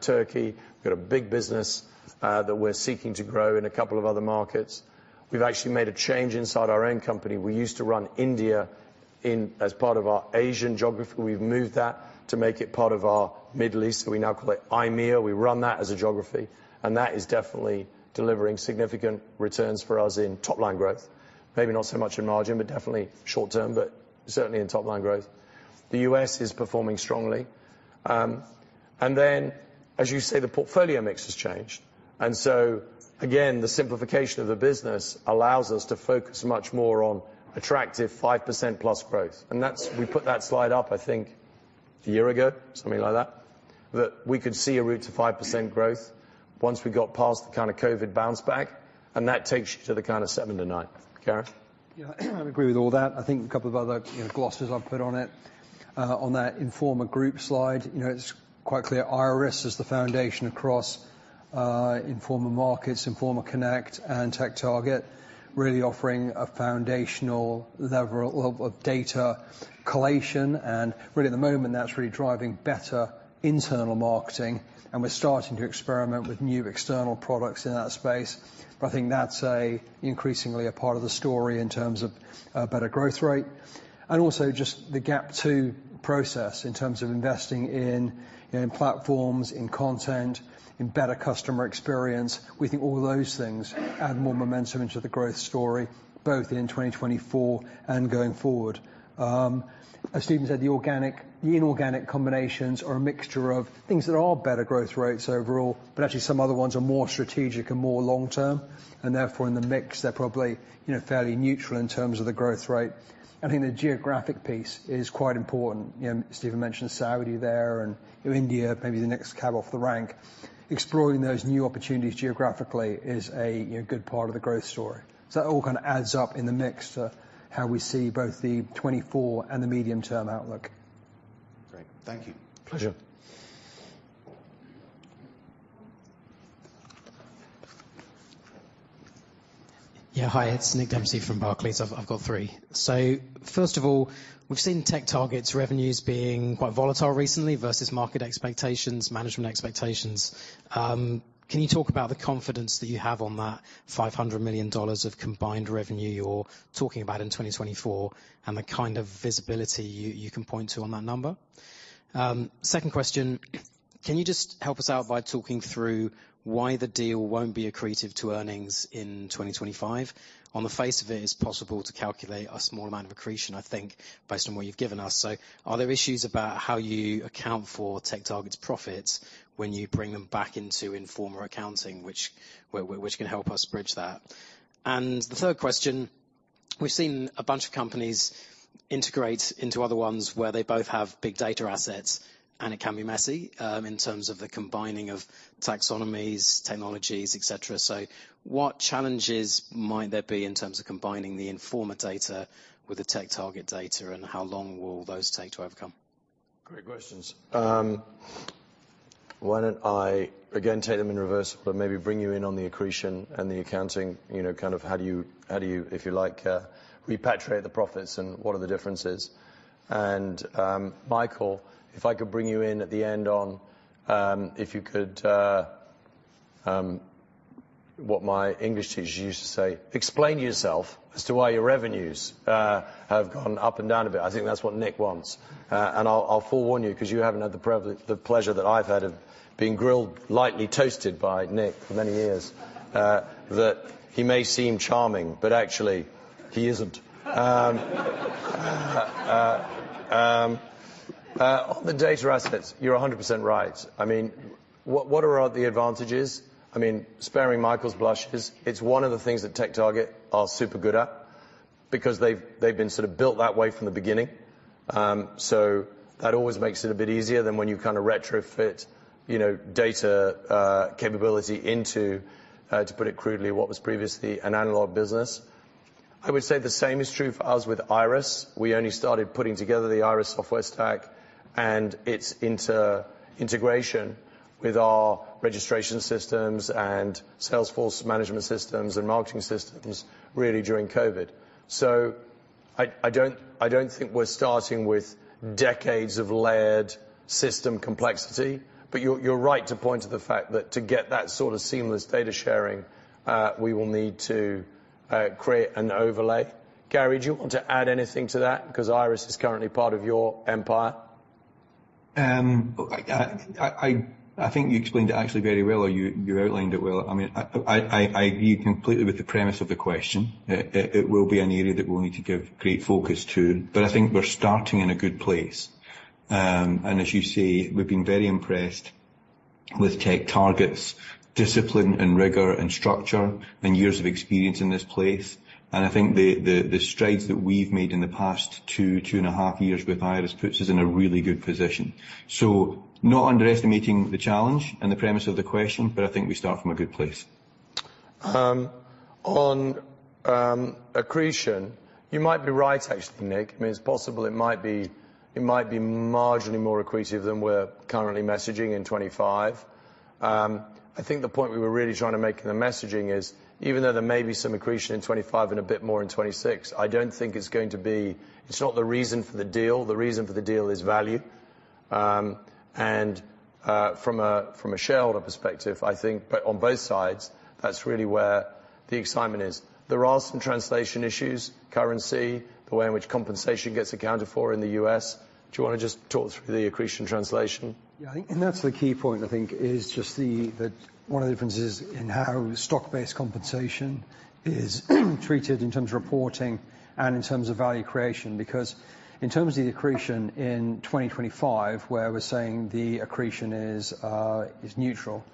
Turkey. We've got a big business that we're seeking to grow in a couple of other markets. We've actually made a change inside our own company. We used to run India in, as part of our Asian geography. We've moved that to make it part of our Middle East. So we now call it IMEA. We run that as a geography, and that is definitely delivering significant returns for us in top line growth. Maybe not so much in margin, but definitely short term, but certainly in top line growth. The U.S. is performing strongly. And then, as you say, the portfolio mix has changed. And so again, the simplification of the business allows us to focus much more on attractive 5%+ growth. And that's—we put that slide up, I think, a year ago, something like that, that we could see a route to 5% growth once we got past the kind of COVID bounce back, and that takes you to the kind of 7%-9%. Gareth? Yeah, I agree with all that. I think a couple of other, you know, glosses I'd put on it. On that Informa Group slide, you know, it's quite clear IIRIS is the foundation across, Informa Markets, Informa Connect and TechTarget, really offering a foundational level of data collation. And really in the moment, that's really driving better internal marketing, and we're starting to experiment with new external products in that space. But I think that's a, increasingly a part of the story in terms of a better growth rate and also just the GAP 2 process, in terms of investing in, in platforms, in content, in better customer experience. We think all those things add more momentum into the growth story, both in 2024 and going forward. As Stephen said, the organic, the inorganic combinations are a mixture of things that are better growth rates overall, but actually some other ones are more strategic and more long term, and therefore, in the mix, they're probably, you know, fairly neutral in terms of the growth rate. I think the geographic piece is quite important. You know, Stephen mentioned Saudi there and India, maybe the next cab off the rank. Exploring those new opportunities geographically is a good part of the growth story. So that all kind of adds up in the mix to how we see both the 2024 and the medium-term outlook. Thank you. Pleasure. Yeah, hi, it's Nick Dempsey from Barclays. I've got three. So first of all, we've seen TechTarget's revenues being quite volatile recently versus market expectations, management expectations. Can you talk about the confidence that you have on that $500 million of combined revenue you're talking about in 2024, and the kind of visibility you can point to on that number? Second question, can you just help us out by talking through why the deal won't be accretive to earnings in 2025? On the face of it, it's possible to calculate a small amount of accretion, I think, based on what you've given us. So are there issues about how you account for TechTarget's profits when you bring them back into Informa accounting, which can help us bridge that? The third question, we've seen a bunch of companies integrate into other ones where they both have big data assets, and it can be messy, in terms of the combining of taxonomies, technologies, et cetera. So what challenges might there be in terms of combining the Informa data with the TechTarget data, and how long will those take to overcome? Great questions. Why don't I again take them in reverse, but maybe bring you in on the accretion and the accounting, you know, kind of how do you, how do you, if you like, repatriate the profits and what are the differences? And, Michael, if I could bring you in at the end on, if you could, what my English teacher used to say, "Explain yourself as to why your revenues have gone up and down a bit." I think that's what Nick wants. And I'll, I'll forewarn you, 'cause you haven't had the privilege, the pleasure that I've had of being grilled, lightly toasted by Nick for many years. That he may seem charming, but actually, he isn't. On the data assets, you're 100% right. I mean, what, what are the advantages? I mean, sparing Michael's blushes, it's one of the things that TechTarget are super good at because they've, they've been sort of built that way from the beginning. So that always makes it a bit easier than when you kind of retrofit, you know, data capability into, to put it crudely, what was previously an analog business. I would say the same is true for us with IIRIS. We only started putting together the IIRIS software stack and its inter-integration with our registration systems and sales force management systems and marketing systems, really, during COVID. So I, I don't, I don't think we're starting with decades of layered system complexity, but you're, you're right to point to the fact that to get that sort of seamless data sharing, we will need to create an overlay. Gary, do you want to add anything to that? Because IIRIS is currently part of your empire. I think you explained it actually very well, or you outlined it well. I mean, I agree completely with the premise of the question. It will be an area that we'll need to give great focus to, but I think we're starting in a good place. And as you say, we've been very impressed with TechTarget's discipline and rigor and structure and years of experience in this place. And I think the strides that we've made in the past two and a half years with IIRIS puts us in a really good position. So not underestimating the challenge and the premise of the question, but I think we start from a good place. On accretion, you might be right, actually, Nick. I mean, it's possible it might be, it might be marginally more accretive than we're currently messaging in 2025. I think the point we were really trying to make in the messaging is, even though there may be some accretion in 2025 and a bit more in 2026, I don't think it's going to be... It's not the reason for the deal. The reason for the deal is value. And from a shareholder perspective, I think, but on both sides, that's really where the excitement is. There are some translation issues, currency, the way in which compensation gets accounted for in the U.S. Do you want to just talk through the accretion translation? Yeah, I think and that's the key point, I think, is just that one of the differences in how stock-based compensation is treated in terms of reporting and in terms of value creation. Because in terms of the accretion in 2025, where we're saying the accretion is neutral,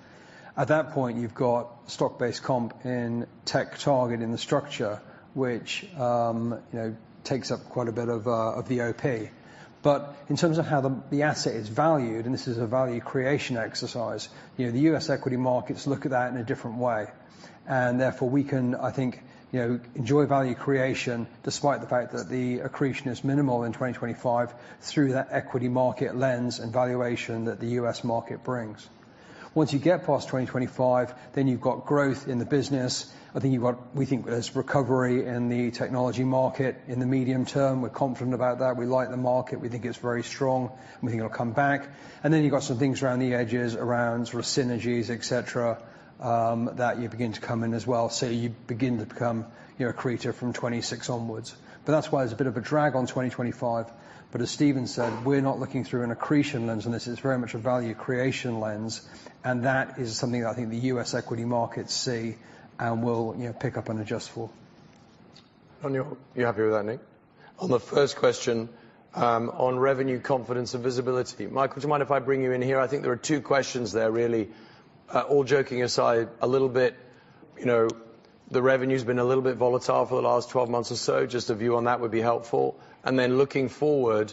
at that point, you've got stock-based comp in TechTarget in the structure, which, you know, takes up quite a bit of the OP. But in terms of how the asset is valued, and this is a value creation exercise, you know, the U.S. equity markets look at that in a different way. And therefore, we can, I think, you know, enjoy value creation, despite the fact that the accretion is minimal in 2025, through that equity market lens and valuation that the U.S. market brings. Once you get past 2025, then you've got growth in the business. I think you've got—we think there's recovery in the technology market in the medium term. We're confident about that. We like the market. We think it's very strong. We think it'll come back. And then you've got some things around the edges, around sort of synergies, et cetera, that you begin to come in as well. So you begin to become, you know, accretive from 2026 onwards. But that's why there's a bit of a drag on 2025. But as Steven said, we're not looking through an accretion lens on this. It's very much a value creation lens, and that is something that I think the U.S. equity markets see and will, you know, pick up and adjust for. And you're, you're happy with that, Nick? On the first question, on revenue, confidence, and visibility, Michael, do you mind if I bring you in here? I think there are two questions there, really. All joking aside, a little bit, you know, the revenue's been a little bit volatile for the last 12 months or so. Just a view on that would be helpful. And then looking forward,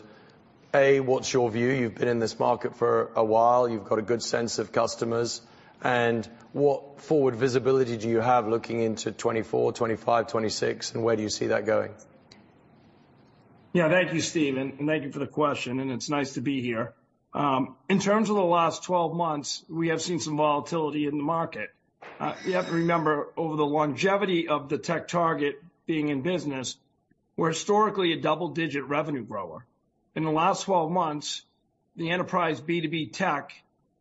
A, what's your view? You've been in this market for a while. You've got a good sense of customers. And what forward visibility do you have looking into 2024, 2025, 2026, and where do you see that going?... Yeah, thank you, Stephen, and thank you for the question, and it's nice to be here. In terms of the last 12 months, we have seen some volatility in the market. You have to remember, over the longevity of the TechTarget being in business, we're historically a double-digit revenue grower. In the last 12 months, the enterprise B2B tech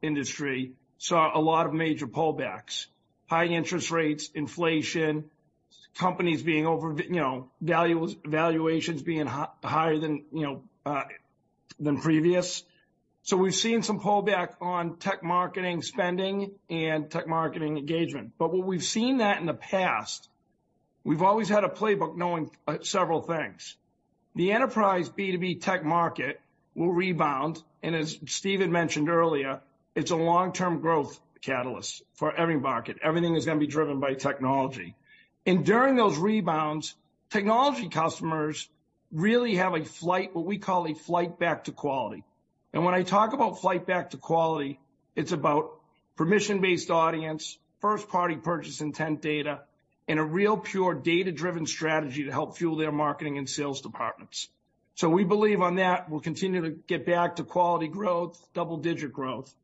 industry saw a lot of major pullbacks, high interest rates, inflation, companies being overvalued, you know, valuations being higher than, you know, than previous. So we've seen some pullback on tech marketing spending and tech marketing engagement. But when we've seen that in the past, we've always had a playbook knowing several things. The enterprise B2B tech market will rebound, and as Stephen mentioned earlier, it's a long-term growth catalyst for every market. Everything is gonna be driven by technology. During those rebounds, technology customers really have a flight, what we call a flight back to quality. When I talk about flight back to quality, it's about permission-based audience, first-party purchase intent data, and a real pure data-driven strategy to help fuel their marketing and sales departments. We believe on that, we'll continue to get back to quality growth, double-digit growth.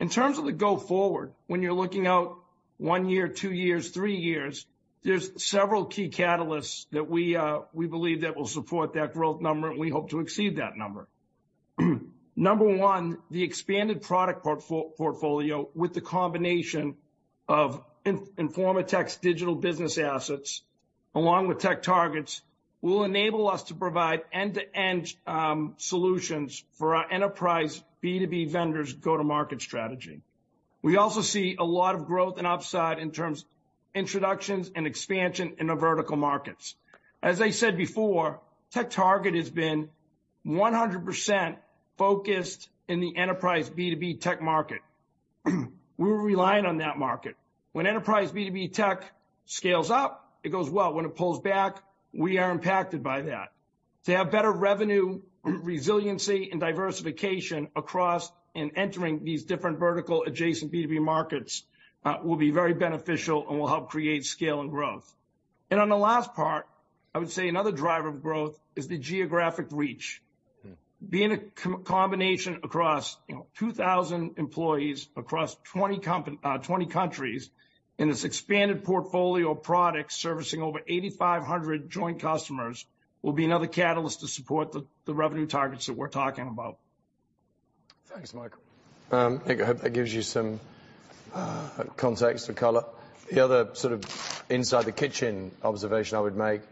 In terms of the go forward, when you're looking out one year, two years, three years, there's several key catalysts that we believe that will support that growth number, and we hope to exceed that number. Number one, the expanded product portfolio with the combination of Informa Tech's digital business assets, along with TechTarget's, will enable us to provide end-to-end solutions for our enterprise B2B vendors' go-to-market strategy. We also see a lot of growth and upside in terms of introductions and expansion in the vertical markets. As I said before, TechTarget has been 100% focused in the enterprise B2B tech market. We're relying on that market. When enterprise B2B tech scales up, it goes well. When it pulls back, we are impacted by that. To have better revenue, resiliency, and diversification across and entering these different vertical adjacent B2B markets, will be very beneficial and will help create scale and growth. And on the last part, I would say another driver of growth is the geographic reach. Being a combination across, you know, 2,000 employees, across 20 countries, in this expanded portfolio of products, servicing over 8,500 joint customers, will be another catalyst to support the revenue targets that we're talking about. Thanks, Michael. I hope that gives you some context or color. The other sort of inside the kitchen observation I would make,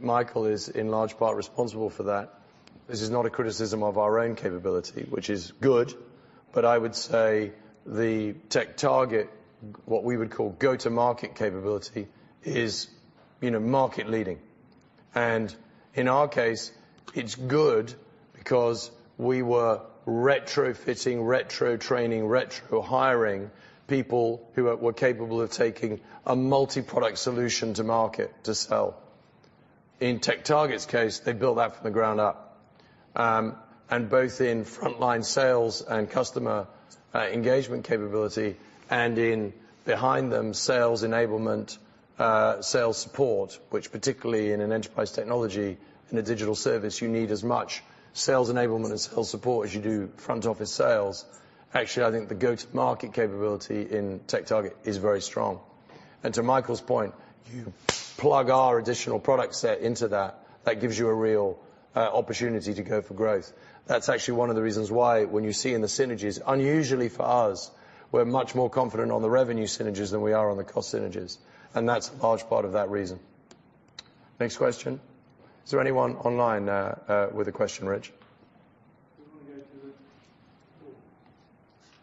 Michael is in large part responsible for that. This is not a criticism of our own capability, which is good, but I would say the TechTarget, what we would call go-to-market capability, is, you know, market leading. And in our case, it's good because we were retrofitting, retro training, retro hiring people who were capable of taking a multiproduct solution to market to sell. In TechTarget's case, they built that from the ground up. And both in frontline sales and customer engagement capability and in behind them, sales enablement, sales support, which particularly in an enterprise technology, in a digital service, you need as much sales enablement and sales support as you do front office sales. Actually, I think the go-to-market capability in TechTarget is very strong. And to Michael's point, you plug our additional product set into that, that gives you a real, opportunity to go for growth. That's actually one of the reasons why when you see in the synergies, unusually for us, we're much more confident on the revenue synergies than we are on the cost synergies, and that's a large part of that reason. Next question. Is there anyone online, with a question, Rich? We're gonna go to the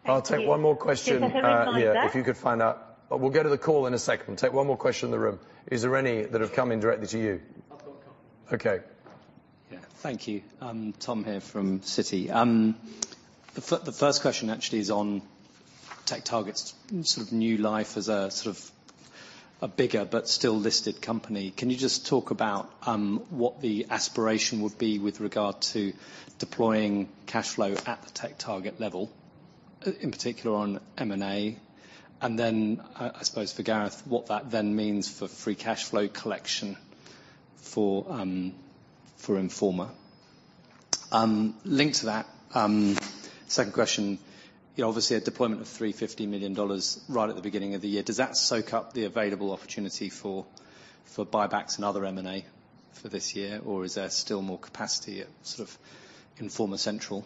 call. I'll take one more question. Yeah, if you could find out. But we'll go to the call in a second. I'll take one more question in the room. Is there any that have come in directly to you? Okay. Yeah. Thank you. I'm Tom here from Citi. The first question actually is on TechTarget's sort of new life as a sort of a bigger but still listed company. Can you just talk about what the aspiration would be with regard to deploying cash flow at the TechTarget level, in particular on M&A? And then, I suppose for Gareth, what that then means for free cash flow collection for Informa. Linked to that, second question, obviously, a deployment of $350 million right at the beginning of the year, does that soak up the available opportunity for buybacks and other M&A for this year, or is there still more capacity at sort of Informa central?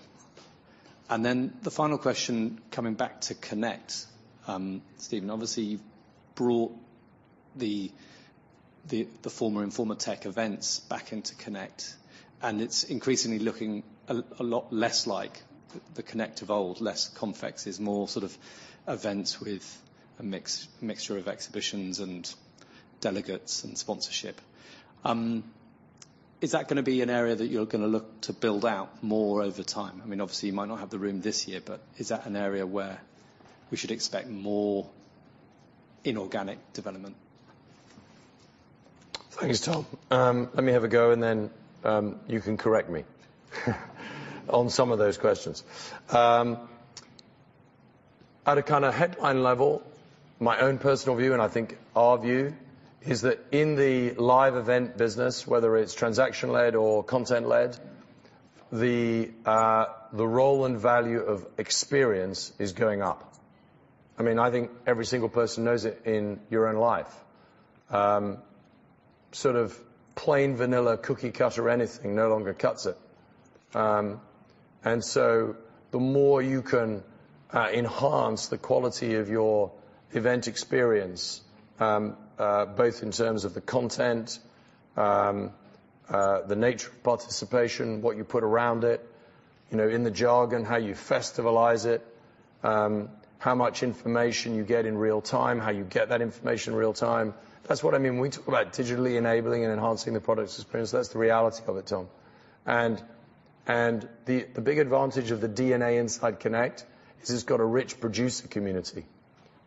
Then the final question, coming back to Connect, Stephen, obviously, you've brought the former Informa Tech events back into Connect, and it's increasingly looking a lot less like the Connect of old. Less complex is more sort of events with a mixture of exhibitions and delegates and sponsorship. Is that gonna be an area that you're gonna look to build out more over time? I mean, obviously, you might not have the room this year, but is that an area where we should expect more inorganic development? Thanks, Tom. Let me have a go, and then you can correct me on some of those questions. At a kind of headline level, my own personal view, and I think our view, is that in the live event business, whether it's transaction-led or content-led, the role and value of experience is going up. I mean, I think every single person knows it in your own life. Sort of plain vanilla cookie cutter, anything, no longer cuts it. And so the more you can enhance the quality of your event experience, both in terms of the content, the nature of participation, what you put around it, you know, in the jargon, how you festivalize it, how much information you get in real time, how you get that information in real time. That's what I mean when we talk about digitally enabling and enhancing the product experience. That's the reality of it, Tom. And the big advantage of the DNA inside Connect is it's got a rich producer community.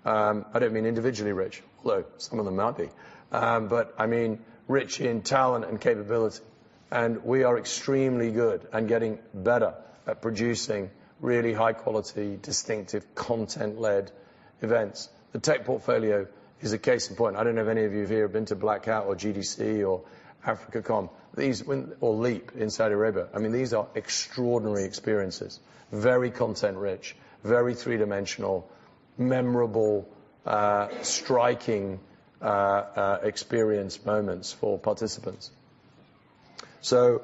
I don't mean individually rich, although some of them might be. But I mean rich in talent and capability. And we are extremely good and getting better at producing really high quality, distinctive, content-led events. The tech portfolio is a case in point. I don't know if any of you have ever been to Black Hat or GDC or AfricaCom. These or LEAP in Saudi Arabia. I mean, these are extraordinary experiences. Very content rich, very three-dimensional, memorable, striking experience moments for participants. So,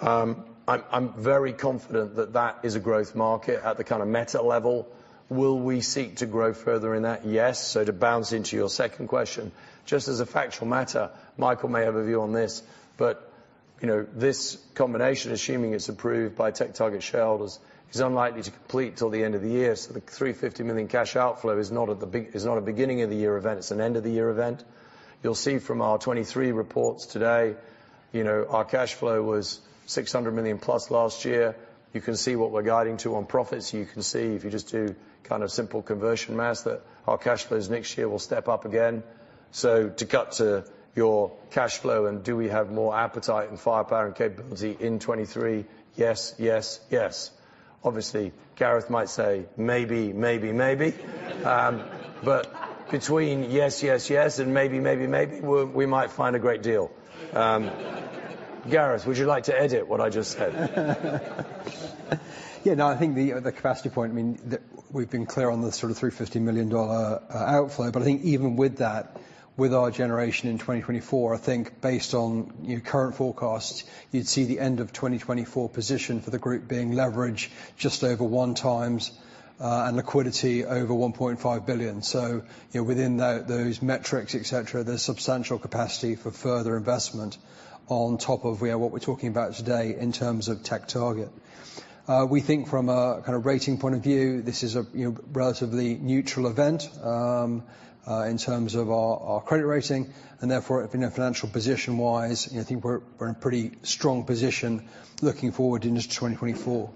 I'm very confident that that is a growth market at the kind of meta level. Will we seek to grow further in that? Yes. So to bounce into your second question, just as a factual matter, Michael may have a view on this, but, you know, this combination, assuming it's approved by TechTarget shareholders, is unlikely to complete till the end of the year. So the 350 million cash outflow is not at the big-- is not a beginning of the year event, it's an end of the year event. You'll see from our 2023 reports today, you know, our cash flow was $600+ million last year. You can see what we're guiding to on profits. You can see, if you just do kind of simple conversion math, that our cash flows next year will step up again. So to cut to your cash flow, and do we have more appetite and firepower and capability in 2023? Yes, yes, yes. Obviously, Gareth might say, maybe, maybe, maybe. But between yes, yes, yes, and maybe, maybe, maybe, we, we might find a great deal. Gareth, would you like to edit what I just said? Yeah, no, I think the capacity point, I mean, we've been clear on the sort of $350 million outflow. But I think even with that, with our generation in 2024, I think based on your current forecasts, you'd see the end of 2024 position for the group being leveraged just over 1x, and liquidity over $1.5 billion. So, you know, within those metrics, et cetera, there's substantial capacity for further investment on top of what we're talking about today in terms of TechTarget. We think from a kind of rating point of view, this is, you know, a relatively neutral event in terms of our credit rating, and therefore, in a financial position-wise, I think we're in a pretty strong position looking forward into 2024.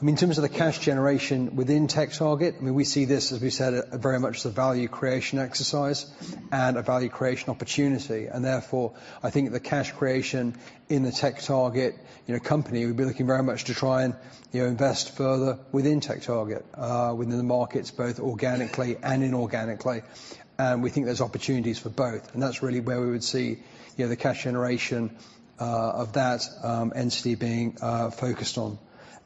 I mean, in terms of the cash generation within TechTarget, I mean, we see this, as we said, very much as a value creation exercise and a value creation opportunity. And therefore, I think the cash creation in the TechTarget, you know, company, we've been looking very much to try and, you know, invest further within TechTarget within the markets, both organically and inorganically. And we think there's opportunities for both. And that's really where we would see, you know, the cash generation of that entity being focused on.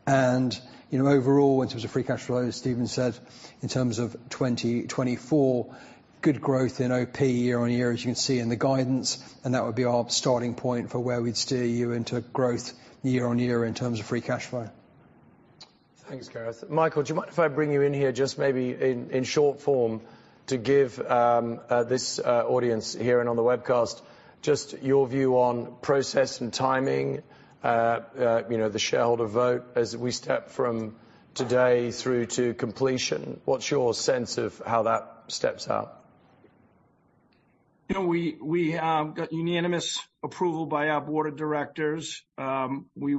You know, overall, in terms of free cash flow, as Stephen said, in terms of 2024, good growth in OP year on year, as you can see in the guidance, and that would be our starting point for where we'd steer you into growth year on year in terms of free cash flow. Thanks, Gareth. Michael, do you mind if I bring you in here, just maybe in short form, to give this audience here and on the webcast, just your view on process and timing, you know, the shareholder vote as we step from today through to completion. What's your sense of how that steps out? You know, we got unanimous approval by our board of directors. We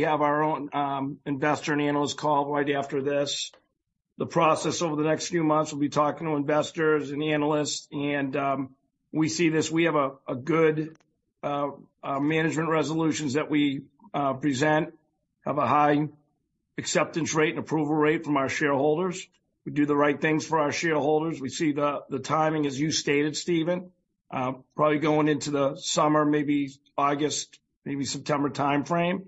have our own investor and analyst call right after this. The process over the next few months, we'll be talking to investors and analysts and we see this. We have a good management resolutions that we present, have a high acceptance rate and approval rate from our shareholders. We do the right things for our shareholders. We see the timing, as you stated, Stephen, probably going into the summer, maybe August, maybe September timeframe.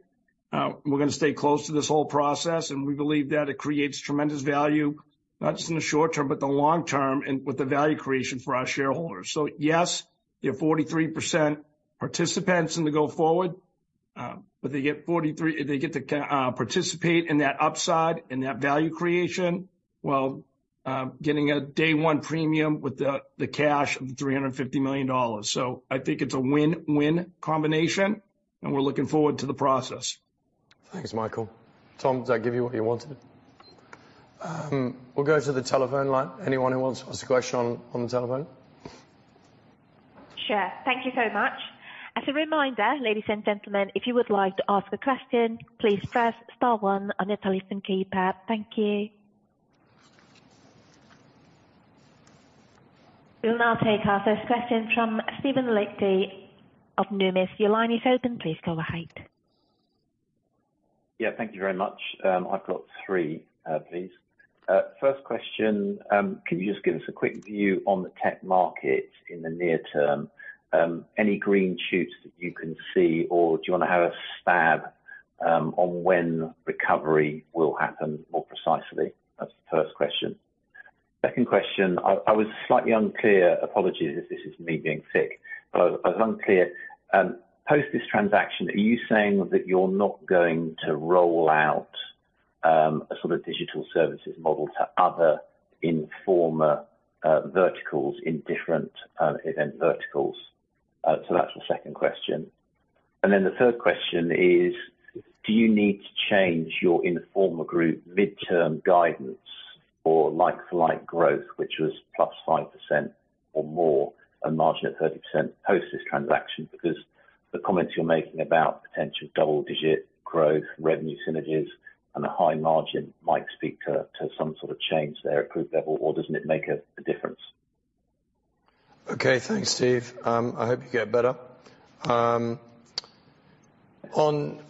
We're going to stay close to this whole process, and we believe that it creates tremendous value, not just in the short term, but the long term and with the value creation for our shareholders. So yes, you have 43% participants in the go forward, but they get 43%-- they get to co-participate in that upside and that value creation, while getting a day one premium with the cash of $350 million. So I think it's a win-win combination, and we're looking forward to the process. Thanks, Michael. Tom, did I give you what you wanted? Yeah. We'll go to the telephone line. Anyone who wants to ask a question on, on the telephone? Sure. Thank you so much. As a reminder, ladies and gentlemen, if you would like to ask a question, please press star one on your telephone keypad. Thank you.... We'll now take our first question from Steve Liechti of Numis. Your line is open, please go ahead. Yeah, thank you very much. I've got three, please. First question, can you just give us a quick view on the tech market in the near term? Any green shoots that you can see, or do you want to have a stab, on when recovery will happen more precisely? That's the first question. Second question, I, I was slightly unclear. Apologies if this is me being thick, but I, I was unclear. Post this transaction, are you saying that you're not going to roll out, a sort of digital services model to other Informa, verticals in different, event verticals? So that's the second question. And then the third question is, do you need to change your Informa Group midterm guidance for like-for-like growth, which was +5% or more, and margin at 30% post this transaction? Because the comments you're making about potential double-digit growth, revenue synergies and a high margin might speak to, to some sort of change there at group level, or doesn't it make a, a difference? Okay, thanks, Steve. I hope you get better. On,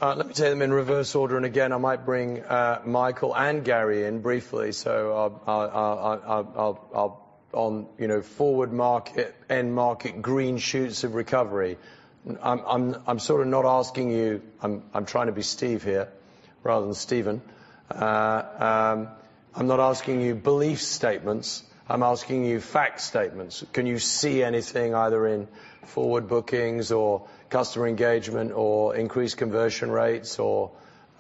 let me take them in reverse order, and again, I might bring, Michael and Gary in briefly. So I'll, on, you know, forward market, end market, green shoots of recovery. I'm sort of not asking you... I'm trying to be Steve here rather than Stephen. I'm not asking you belief statements, I'm asking you fact statements. Can you see anything either in forward bookings or customer engagement, or increased conversion rates or,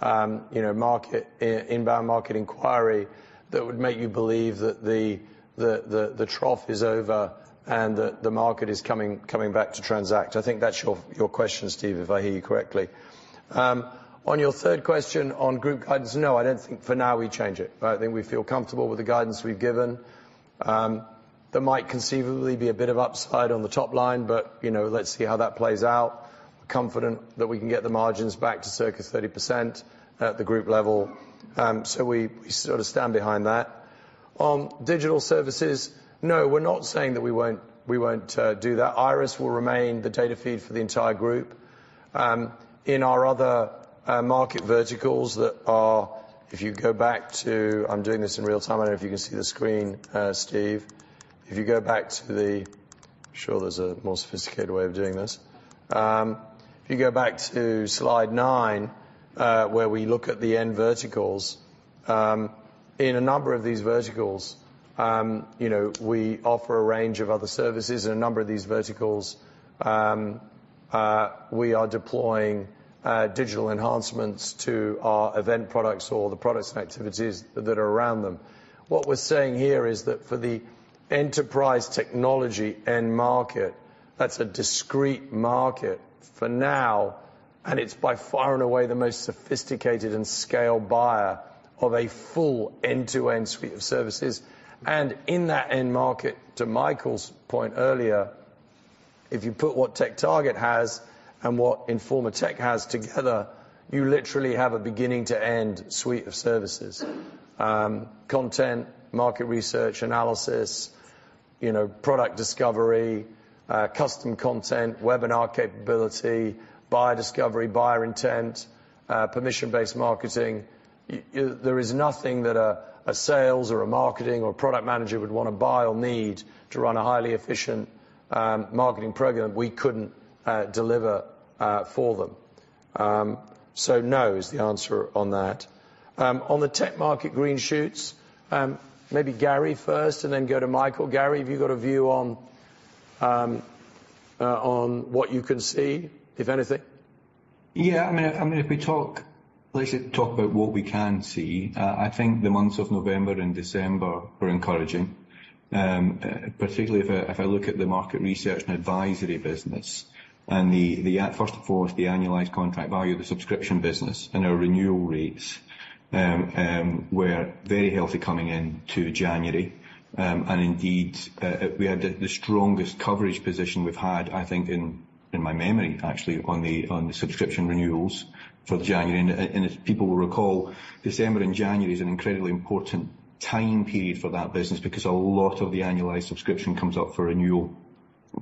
you know, market, inbound market inquiry that would make you believe that the trough is over and that the market is coming back to transact? I think that's your question, Steve, if I hear you correctly. On your third question on group guidance, no, I don't think for now we change it. I think we feel comfortable with the guidance we've given. There might conceivably be a bit of upside on the top line, but, you know, let's see how that plays out. We're confident that we can get the margins back to circa 30% at the group level. So we, we sort of stand behind that. On digital services, no, we're not saying that we won't, we won't, do that. IIRIS will remain the data feed for the entire group. In our other, market verticals that are, if you go back to. I'm doing this in real time. I don't know if you can see the screen, Steve. If you go back to the. I'm sure there's a more sophisticated way of doing this. If you go back to slide nine, where we look at the end verticals. In a number of these verticals, you know, we offer a range of other services. In a number of these verticals, we are deploying digital enhancements to our event products or the products and activities that are around them. What we're saying here is that for the enterprise technology end market, that's a discrete market for now, and it's by far and away the most sophisticated and scale buyer of a full end-to-end suite of services. In that end market, to Michael's point earlier, if you put what TechTarget has and what Informa Tech has together, you literally have a beginning to end suite of services. Content, market research, analysis, you know, product discovery, custom content, webinar capability, buyer discovery, buyer intent, permission-based marketing. There is nothing that a sales or a marketing, or product manager would want to buy or need to run a highly efficient marketing program we couldn't deliver for them. So no is the answer on that. On the tech market green shoots, maybe Gary first and then go to Michael. Gary, have you got a view on what you can see, if anything? Yeah, I mean, I mean, if we talk, let's just talk about what we can see. I think the months of November and December were encouraging. Particularly if I, if I look at the market research and advisory business and the, the at, first and foremost, the annualized contract value of the subscription business and our renewal rates, were very healthy coming into January. And indeed, we had the, the strongest coverage position we've had, I think, in, in my memory, actually, on the, on the subscription renewals for January. And, and if people will recall, December and January is an incredibly important time period for that business, because a lot of the annualized subscription comes up for renewal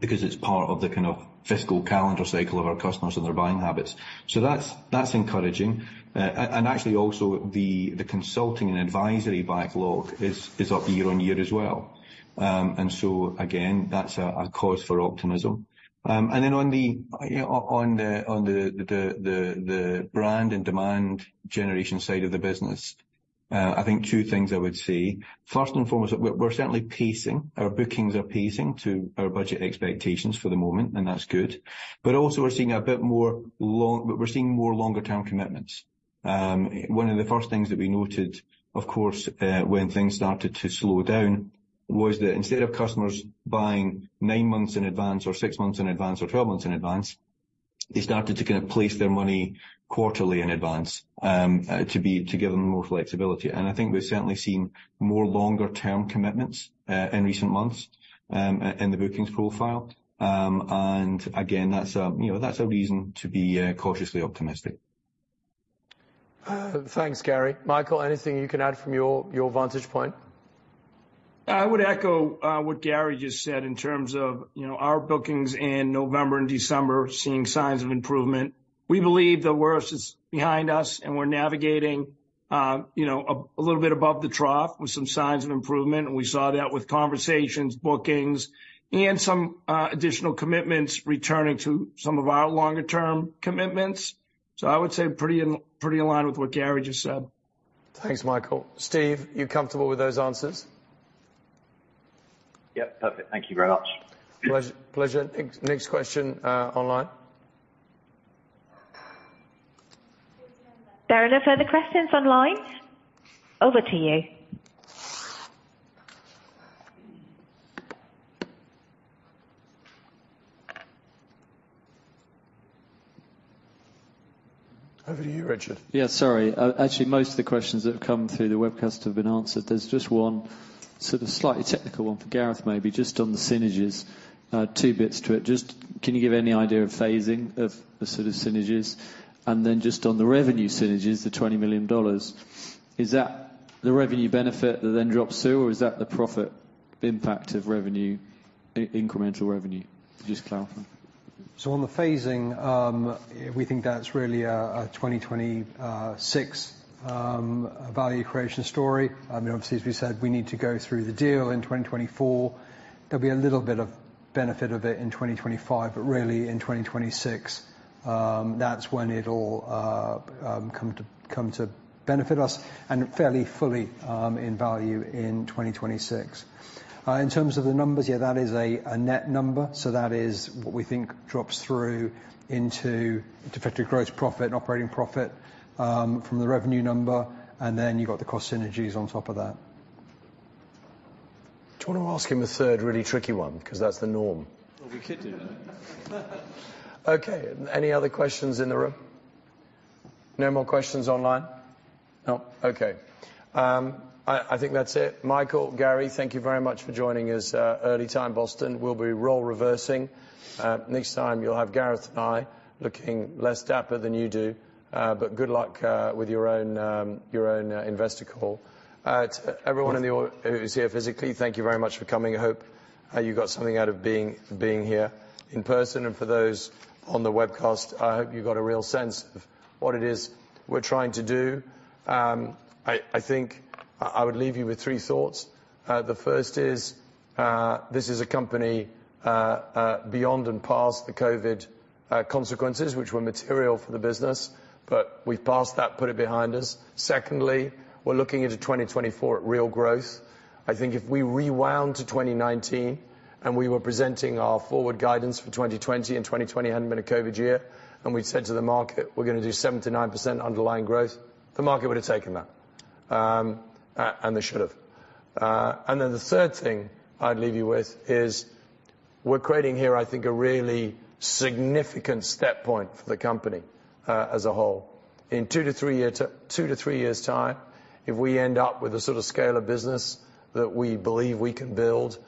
because it's part of the kind of fiscal calendar cycle of our customers and their buying habits. So that's, that's encouraging. Actually also the consulting and advisory backlog is up year-over-year as well. And so again, that's a cause for optimism. And then on the brand and demand generation side of the business, I think two things I would say: First and foremost, that we're certainly pacing, our bookings are pacing to our budget expectations for the moment, and that's good. But also, we're seeing a bit more long- but we're seeing more longer term commitments. One of the first things that we noted, of course, when things started to slow down, was that instead of customers buying nine months in advance or six months in advance or 12 months in advance, they started to kind of place their money quarterly in advance, to give them more flexibility. And I think we've certainly seen more longer term commitments in recent months in the bookings profile. And again, that's a, you know, that's a reason to be cautiously optimistic.... Thanks, Gary. Michael, anything you can add from your vantage point? I would echo what Gary just said in terms of, you know, our bookings in November and December, seeing signs of improvement. We believe the worst is behind us, and we're navigating, you know, a little bit above the trough with some signs of improvement. We saw that with conversations, bookings, and some additional commitments returning to some of our longer-term commitments. I would say pretty in line with what Gary just said. Thanks, Michael. Steve, you comfortable with those answers? Yep, perfect. Thank you very much. Pleasure. Pleasure. Next, next question, online? There are no further questions online. Over to you. Over to you, Richard. Yeah, sorry. Actually, most of the questions that have come through the webcast have been answered. There's just one sort of slightly technical one for Gareth, maybe just on the synergies. Two bits to it. Just can you give any idea of phasing of the sort of synergies? And then just on the revenue synergies, the $20 million, is that the revenue benefit that then drops through, or is that the profit impact of revenue, incremental revenue? Just clarify. So on the phasing, we think that's really a 2026 value creation story. I mean, obviously, as we said, we need to go through the deal in 2024. There'll be a little bit of benefit of it in 2025, but really in 2026, that's when it all come to benefit us and fairly fully, in value in 2026. In terms of the numbers, yeah, that is a net number, so that is what we think drops through into effectively gross profit and operating profit, from the revenue number, and then you've got the cost synergies on top of that. Do you want to ask him a third really tricky one? Because that's the norm. Well, we could do that. Okay, any other questions in the room? No more questions online? No. Okay. I think that's it. Michael, Gary, thank you very much for joining us, early time, Boston. We'll be role reversing. Next time you'll have Gareth and I looking less dapper than you do. But good luck with your own investor call. To everyone who is here physically, thank you very much for coming. I hope you got something out of being here in person. And for those on the webcast, I hope you got a real sense of what it is we're trying to do. I think I would leave you with three thoughts. The first is, this is a company beyond and past the COVID consequences, which were material for the business, but we've passed that, put it behind us. Secondly, we're looking into 2024 at real growth. I think if we rewound to 2019, and we were presenting our forward guidance for 2020, and 2020 hadn't been a COVID year, and we'd said to the market, "We're going to do 7%-9% underlying growth," the market would have taken that. And they should have. And then the third thing I'd leave you with is we're creating here, I think, a really significant step point for the company as a whole. In two to three year, two to three years' time, if we end up with the sort of scale of business that we believe we can build,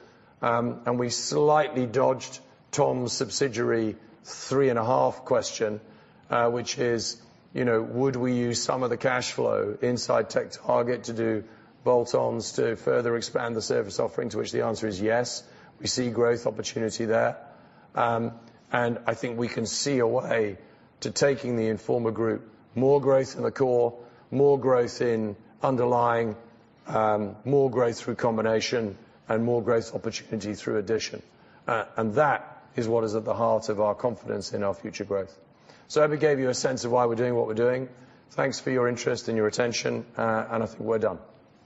and we slightly dodged Tom's subsidiary 3.5 question, which is, you know, would we use some of the cash flow inside TechTarget to do bolt-ons to further expand the service offerings? To which the answer is yes, we see growth opportunity there. And I think we can see a way to taking the Informa Group, more growth in the core, more growth in underlying, more growth through combination, and more growth opportunity through addition. And that is what is at the heart of our confidence in our future growth. So I hope I gave you a sense of why we're doing what we're doing. Thanks for your interest and your attention, and I think we're done.